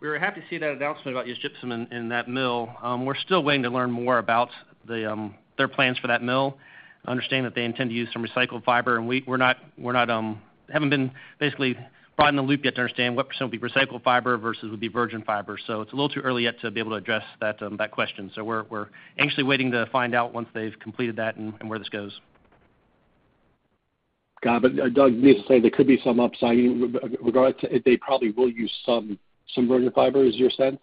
were happy to see that announcement about U.S. Gypsum in that mill. We're still waiting to learn more about their plans for that mill. Understand that they intend to use some recycled fiber. And we haven't been basically brought in the loop yet to understand what percent would be recycled fiber versus would be virgin fiber. So it's a little too early yet to be able to address that question. So we're anxiously waiting to find out once they've completed that and where this goes. Got it. But Doug, need to say there could be some upside in regards to they probably will use some virgin fiber. Is your sense?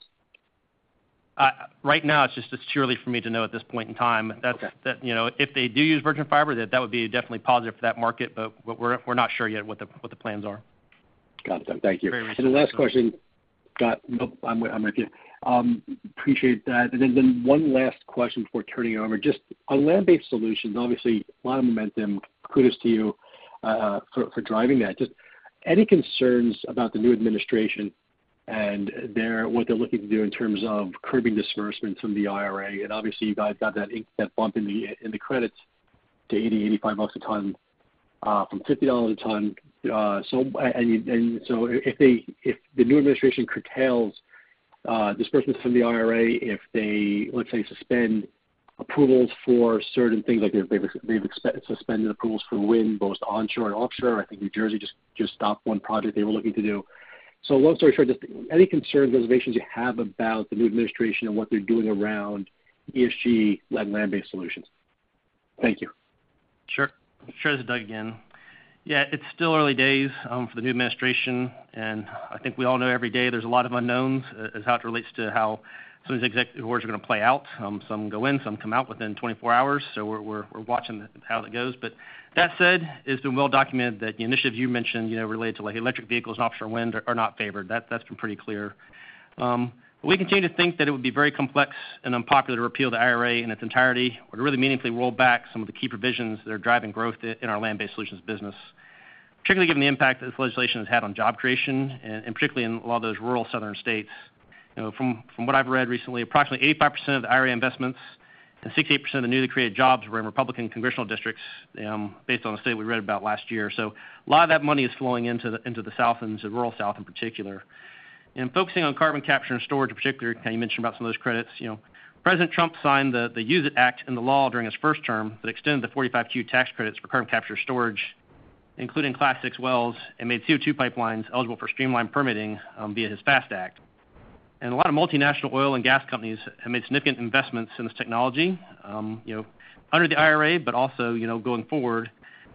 Right now, it's just purely for me to know at this point in time. If they do use virgin fiber, that would be definitely positive for that market. But we're not sure yet what the plans are. Got it, Doug. Thank you. And the last question. Got it. Nope. I'm with you. Appreciate that. And then one last question before turning it over. Just on land-based solutions, obviously, a lot of momentum. Kudos to you for driving that. Just any concerns about the new administration and what they're looking to do in terms of curbing disbursements from the IRA? And obviously, you guys got that bump in the credits to $80-$85 a ton from $50 a ton. And so if the new administration curtails disbursements from the IRA, if they, let's say, suspend approvals for certain things, like they've suspended approvals for wind, both onshore and offshore. I think New Jersey just stopped one project they were looking to do. So long story short, just any concerns, reservations you have about the new administration and what they're doing around ESG led land-based solutions? Thank you. Sure. Sure. This is Doug again. Yeah, it's still early days for the new administration, and I think we all know every day there's a lot of unknowns as to how it relates to how some of these executive orders are going to play out. Some go in, some come out within 24 hours. So we're watching how that goes, but that said, it's been well documented that the initiatives you mentioned related to electric vehicles and offshore wind are not favored. That's been pretty clear. We continue to think that it would be very complex and unpopular to repeal the IRA in its entirety or to really meaningfully roll back some of the key provisions that are driving growth in our land-based solutions business, particularly given the impact that this legislation has had on job creation, and particularly in a lot of those rural Southern states. From what I've read recently, approximately 85% of the IRA investments and 68% of the newly created jobs were in Republican congressional districts based on the state we read about last year, so a lot of that money is flowing into the South and into the rural South in particular, and focusing on carbon capture and storage in particular, you mentioned about some of those credits. President Trump signed the USE IT Act into law during his first term that extended the 45Q tax credits for carbon capture and storage, including Class VI wells, and made CO2 pipelines eligible for streamlined permitting via his FAST Act, and a lot of multinational oil and gas companies have made significant investments in this technology under the IRA, but also going forward,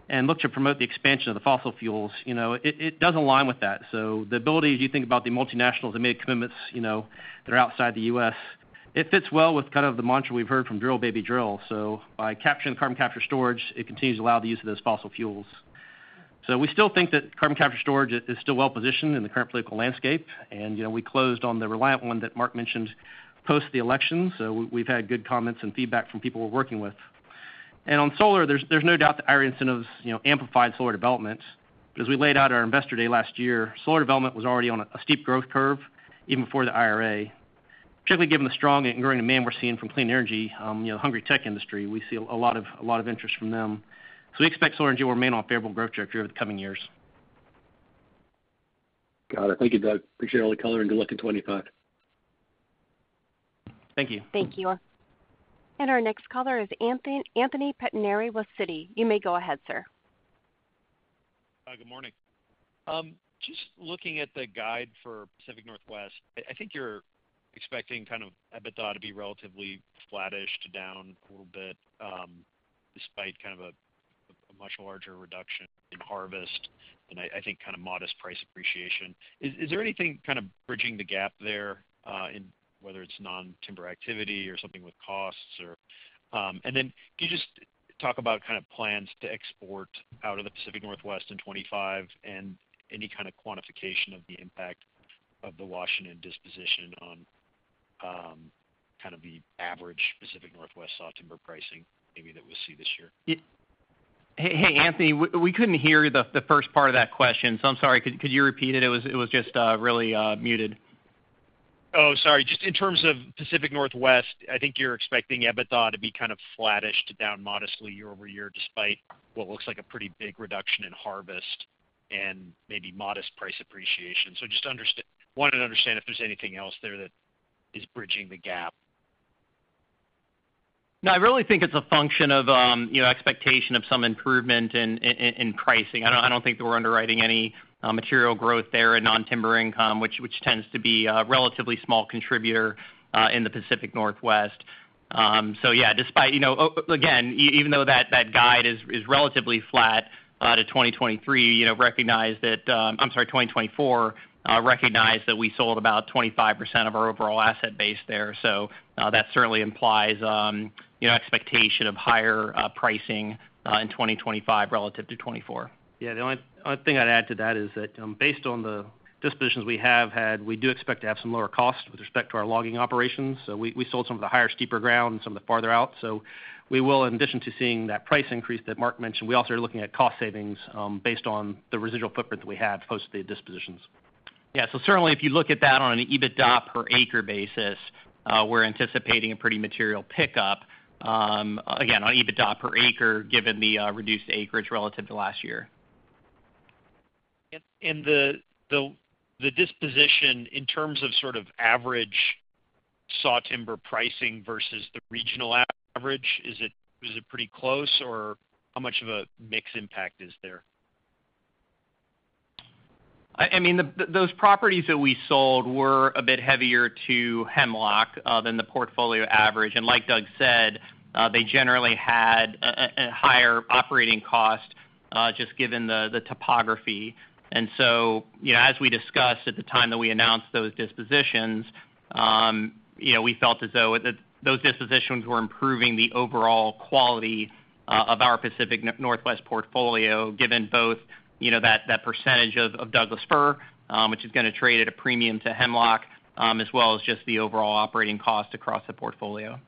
and look to promote the expansion of the fossil fuels. It does align with that. So the ability, as you think about the multinationals that made commitments that are outside the U.S., it fits well with kind of the mantra we've heard from drill, baby, drill. So by capturing carbon capture and storage, it continues to allow the use of those fossil fuels. So we still think that carbon capture and storage is still well positioned in the current political landscape. And we closed on the Reliant one that Mark mentioned post the election. So we've had good comments and feedback from people we're working with. And on solar, there's no doubt that IRA incentives amplified solar development. As we laid out at our Investor Day last year, solar development was already on a steep growth curve even before the IRA, particularly given the strong and growing demand we're seeing from clean energy, the hungry tech industry. We see a lot of interest from them. We expect solar energy will remain on a favorable growth trajectory over the coming years. Got it. Thank you, Doug. Appreciate all the color and good luck in 2025. Thank you. Thank you. And our next caller is Anthony Pettinari with Citi. You may go ahead, sir. Good morning. Just looking at the guide for Pacific Northwest, I think you're expecting kind of EBITDA to be relatively flattish to down a little bit despite kind of a much larger reduction in harvest and I think kind of modest price appreciation. Is there anything kind of bridging the gap there in whether it's non-timber activity or something with costs? And then can you just talk about kind of plans to export out of the Pacific Northwest in 2025 and any kind of quantification of the impact of the Washington disposition on kind of the average Pacific Northwest sawtimber pricing maybe that we see this year? Hey, Anthony, we couldn't hear the first part of that question. So I'm sorry. Could you repeat it? It was just really muted. Oh, sorry. Just in terms of Pacific Northwest, I think you're expecting EBITDA to be kind of flattish to down modestly year over year despite what looks like a pretty big reduction in harvest and maybe modest price appreciation. So just wanted to understand if there's anything else there that is bridging the gap? No, I really think it's a function of expectation of some improvement in pricing. I don't think that we're underwriting any material growth there in non-timber income, which tends to be a relatively small contributor in the Pacific Northwest. So yeah, despite again, even though that guide is relatively flat to 2023, recognize that I'm sorry, 2024, recognize that we sold about 25% of our overall asset base there. So that certainly implies expectation of higher pricing in 2025 relative to 2024. Yeah, the only thing I'd add to that is that based on the dispositions we have had, we do expect to have some lower costs with respect to our logging operations. So we sold some of the higher, steeper ground and some of the farther out. So we will, in addition to seeing that price increase that Mark mentioned, we also are looking at cost savings based on the residual footprint that we have post the dispositions. Yeah. So certainly, if you look at that on an EBITDA per acre basis, we're anticipating a pretty material pickup, again, on EBITDA per acre given the reduced acreage relative to last year. The disposition in terms of sort of average sawtimber pricing versus the regional average, is it pretty close or how much of a mixed impact is there? I mean, those properties that we sold were a bit heavier to hemlock than the portfolio average. Like Doug said, they generally had a higher operating cost just given the topography. So as we discussed at the time that we announced those dispositions, we felt as though those dispositions were improving the overall quality of our Pacific Northwest portfolio given both that percentage of Douglas-fir, which is going to trade at a premium to hemlock, as well as just the overall operating cost across the portfolio.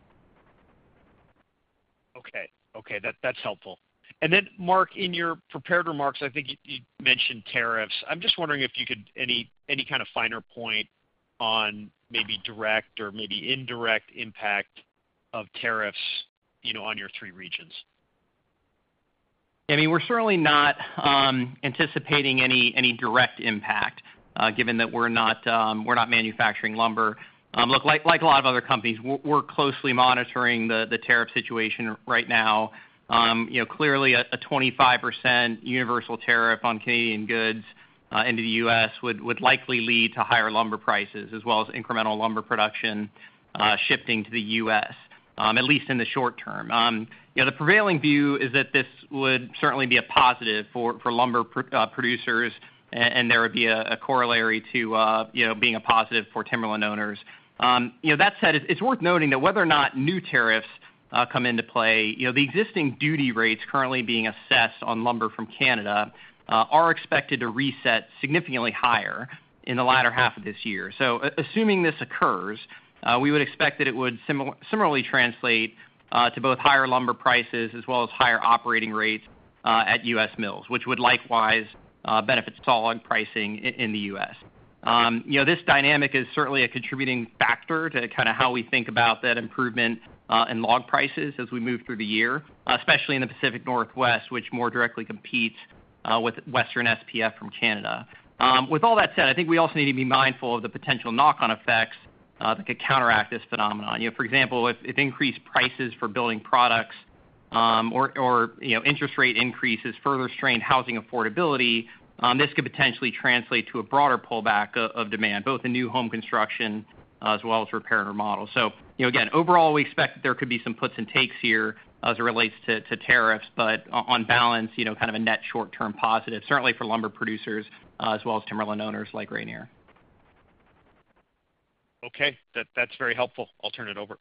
Okay. Okay. That's helpful. And then, Mark, in your prepared remarks, I think you mentioned tariffs. I'm just wondering if you could any kind of finer point on maybe direct or maybe indirect impact of tariffs on your three regions? I mean, we're certainly not anticipating any direct impact given that we're not manufacturing lumber. Look, like a lot of other companies, we're closely monitoring the tariff situation right now. Clearly, a 25% universal tariff on Canadian goods into the U.S. would likely lead to higher lumber prices as well as incremental lumber production shifting to the U.S., at least in the short term. The prevailing view is that this would certainly be a positive for lumber producers, and there would be a corollary to being a positive for timberland owners. That said, it's worth noting that whether or not new tariffs come into play, the existing duty rates currently being assessed on lumber from Canada are expected to reset significantly higher in the latter half of this year. So assuming this occurs, we would expect that it would similarly translate to both higher lumber prices as well as higher operating rates at U.S. mills, which would likewise benefit sawlog pricing in the U.S. This dynamic is certainly a contributing factor to kind of how we think about that improvement in log prices as we move through the year, especially in the Pacific Northwest, which more directly competes with Western SPF from Canada. With all that said, I think we also need to be mindful of the potential knock-on effects that could counteract this phenomenon. For example, if increased prices for building products or interest rate increases further strain housing affordability, this could potentially translate to a broader pullback of demand, both in new home construction as well as repair and remodel. So again, overall, we expect that there could be some puts and takes here as it relates to tariffs, but on balance, kind of a net short-term positive, certainly for lumber producers as well as timberland owners like Rayonier. Okay. That's very helpful. I'll turn it over.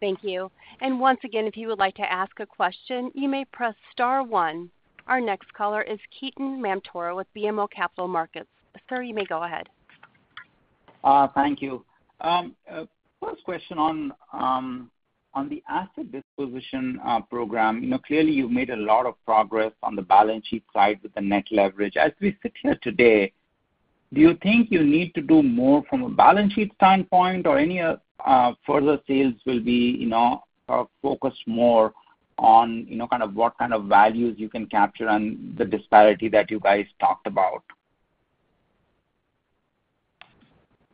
Thank you. Once again, if you would like to ask a question, you may press star one. Our next caller is Ketan Mamtora with BMO Capital Markets. Sir, you may go ahead. Thank you. First question on the asset disposition program. Clearly, you've made a lot of progress on the balance sheet side with the net leverage. As we sit here today, do you think you need to do more from a balance sheet standpoint or any further sales will be focused more on kind of what kind of values you can capture and the disparity that you guys talked about?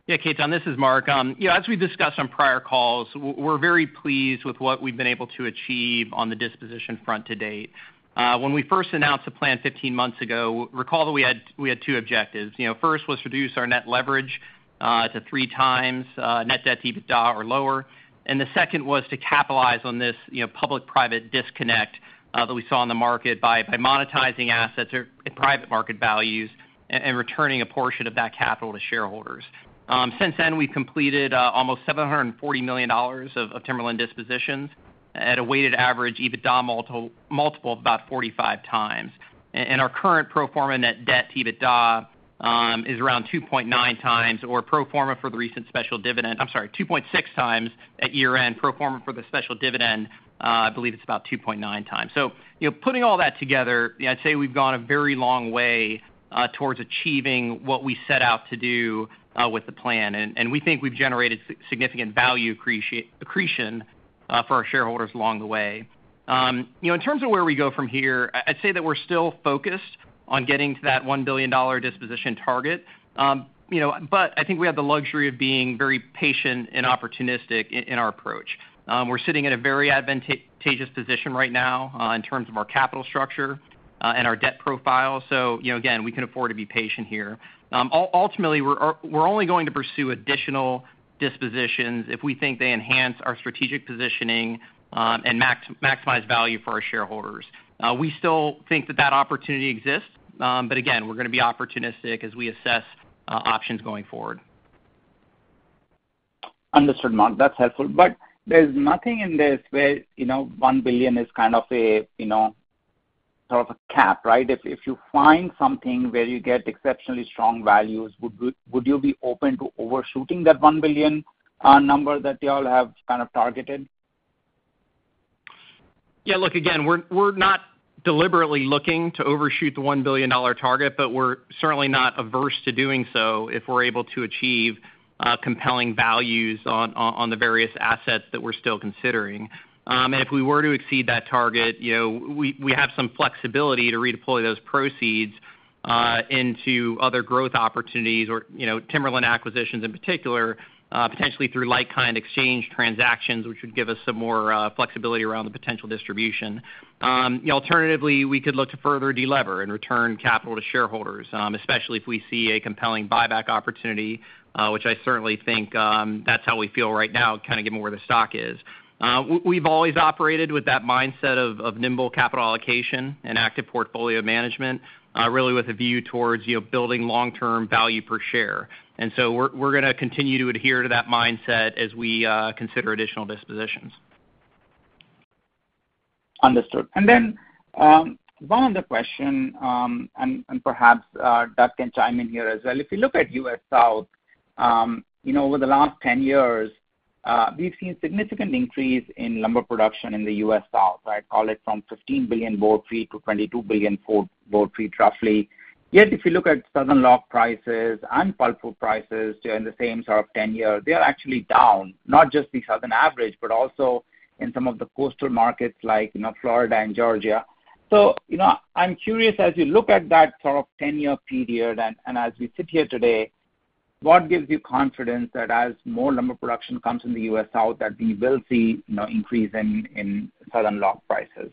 Yeah, Ketan, this is Mark. As we've discussed on prior calls, we're very pleased with what we've been able to achieve on the disposition front to date. When we first announced the plan 15 months ago, recall that we had two objectives. First was to reduce our net leverage to 3x net debt to EBITDA or lower. And the second was to capitalize on this public-private disconnect that we saw in the market by monetizing assets at private market values and returning a portion of that capital to shareholders. Since then, we've completed almost $740 million of timberland dispositions at a weighted average EBITDA multiple of about 45x. And our current pro forma net debt to EBITDA is around 2.9x or pro forma for the recent special dividend. I'm sorry, 2.6x at year-end pro forma for the special dividend. I believe it's about 2.9x. So putting all that together, I'd say we've gone a very long way towards achieving what we set out to do with the plan. And we think we've generated significant value accretion for our shareholders along the way. In terms of where we go from here, I'd say that we're still focused on getting to that $1 billion disposition target. But I think we have the luxury of being very patient and opportunistic in our approach. We're sitting in a very advantageous position right now in terms of our capital structure and our debt profile. So again, we can afford to be patient here. Ultimately, we're only going to pursue additional dispositions if we think they enhance our strategic positioning and maximize value for our shareholders. We still think that that opportunity exists. But again, we're going to be opportunistic as we assess options going forward. Understood, Mark. That's helpful. But there's nothing in this where $1 billion is kind of a sort of a cap, right? If you find something where you get exceptionally strong values, would you be open to overshooting that $1 billion number that you all have kind of targeted? Yeah. Look, again, we're not deliberately looking to overshoot the $1 billion target, but we're certainly not averse to doing so if we're able to achieve compelling values on the various assets that we're still considering, and if we were to exceed that target, we have some flexibility to redeploy those proceeds into other growth opportunities or timberland acquisitions in particular, potentially through like-kind exchange transactions, which would give us some more flexibility around the potential distribution. Alternatively, we could look to further delever and return capital to shareholders, especially if we see a compelling buyback opportunity, which I certainly think that's how we feel right now, kind of given where the stock is. We've always operated with that mindset of nimble capital allocation and active portfolio management, really with a view towards building long-term value per share. And so we're going to continue to adhere to that mindset as we consider additional dispositions. Understood. And then one other question, and perhaps Doug can chime in here as well. If you look at U.S. South, over the last 10 years, we've seen significant increase in lumber production in the U.S. South, right? Call it from 15 billion board feet to 22 billion board feet, roughly. Yet if you look at Southern log prices and pulpwood prices during the same sort of 10-year, they are actually down, not just the Southern average, but also in some of the coastal markets like Florida and Georgia. So I'm curious, as you look at that sort of 10-year period and as we sit here today, what gives you confidence that as more lumber production comes in the U.S. South, that we will see an increase in Southern log prices?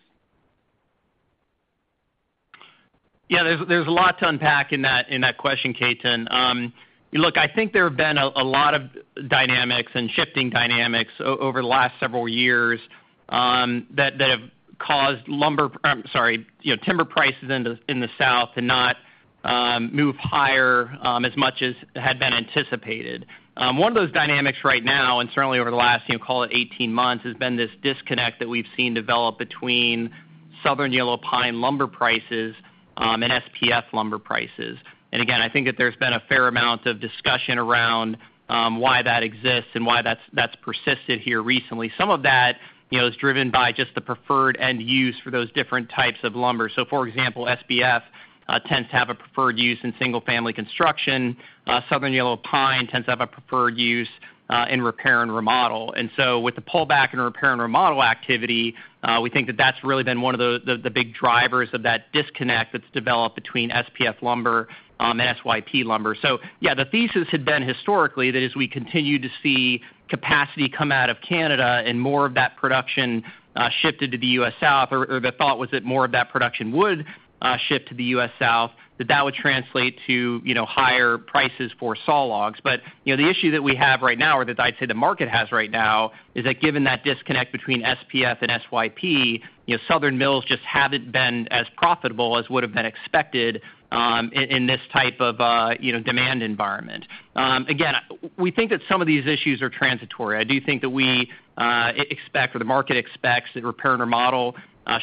Yeah, there's a lot to unpack in that question, Ketan. Look, I think there have been a lot of dynamics and shifting dynamics over the last several years that have caused lumber, I'm sorry, timber prices in the South to not move higher as much as had been anticipated. One of those dynamics right now, and certainly over the last, call it 18 months, has been this disconnect that we've seen develop between Southern Yellow Pine lumber prices and SPF lumber prices. And again, I think that there's been a fair amount of discussion around why that exists and why that's persisted here recently. Some of that is driven by just the preferred end use for those different types of lumber. So for example, SPF tends to have a preferred use in single-family construction. Southern Yellow Pine tends to have a preferred use in repair and remodel. And so with the pullback and repair and remodel activity, we think that that's really been one of the big drivers of that disconnect that's developed between SPF lumber and SYP lumber. So yeah, the thesis had been historically that as we continue to see capacity come out of Canada and more of that production shifted to the U.S. South, or the thought was that more of that production would shift to the U.S. South, that that would translate to higher prices for sawlogs. But the issue that we have right now, or that I'd say the market has right now, is that given that disconnect between SPF and SYP, Southern mills just haven't been as profitable as would have been expected in this type of demand environment. Again, we think that some of these issues are transitory. I do think that we expect, or the market expects, that repair and remodel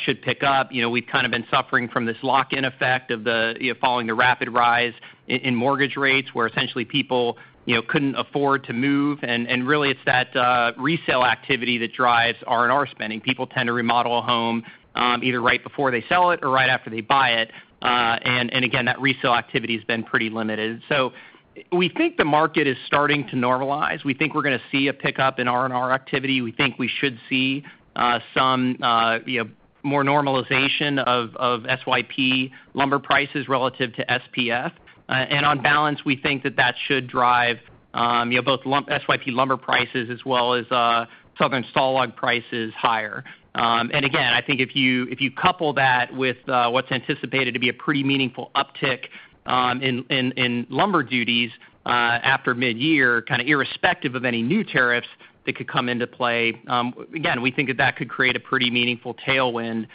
should pick up. We've kind of been suffering from this lock-in effect of following the rapid rise in mortgage rates where essentially people couldn't afford to move. And really, it's that resale activity that drives R&R spending. People tend to remodel a home either right before they sell it or right after they buy it. And again, that resale activity has been pretty limited. So we think the market is starting to normalize. We think we're going to see a pickup in R&R activity. We think we should see some more normalization of SYP lumber prices relative to SPF. And on balance, we think that that should drive both SYP lumber prices as well as Southern sawlog prices higher. And again, I think if you couple that with what's anticipated to be a pretty meaningful uptick in lumber duties after mid-year, kind of irrespective of any new tariffs that could come into play, again, we think that that could create a pretty meaningful tailwind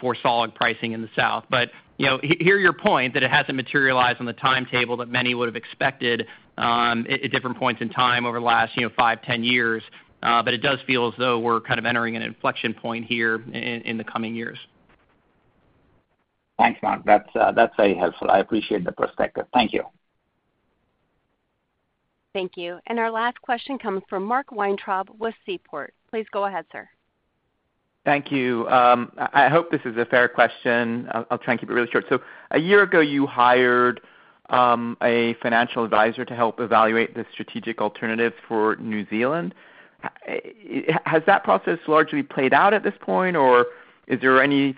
for sawlog pricing in the South. But I hear your point that it hasn't materialized on the timetable that many would have expected at different points in time over the last five, 10 years. But it does feel as though we're kind of entering an inflection point here in the coming years. Thanks, Mark. That's very helpful. I appreciate the perspective. Thank you. Thank you. Our last question comes from Mark Weintraub with Seaport. Please go ahead, sir. Thank you. I hope this is a fair question. I'll try and keep it really short. So a year ago, you hired a financial advisor to help evaluate the strategic alternatives for New Zealand. Has that process largely played out at this point, or is there any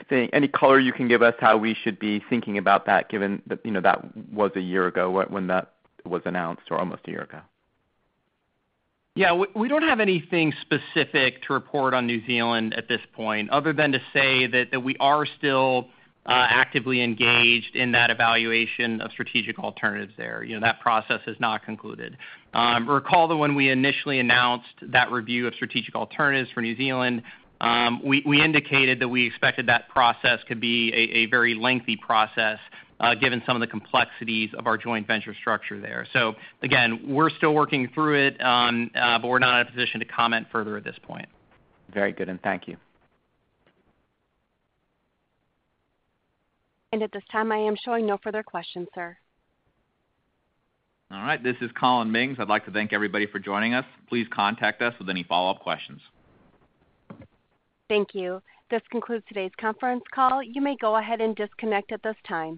color you can give us how we should be thinking about that given that that was a year ago when that was announced or almost a year ago? Yeah. We don't have anything specific to report on New Zealand at this point other than to say that we are still actively engaged in that evaluation of strategic alternatives there. That process has not concluded. Recall that when we initially announced that review of strategic alternatives for New Zealand, we indicated that we expected that process to be a very lengthy process given some of the complexities of our joint venture structure there. So again, we're still working through it, but we're not in a position to comment further at this point. Very good. Thank you. At this time, I am showing no further questions, sir. All right. This is Collin Mings. I'd like to thank everybody for joining us. Please contact us with any follow-up questions. Thank you. This concludes today's conference call. You may go ahead and disconnect at this time.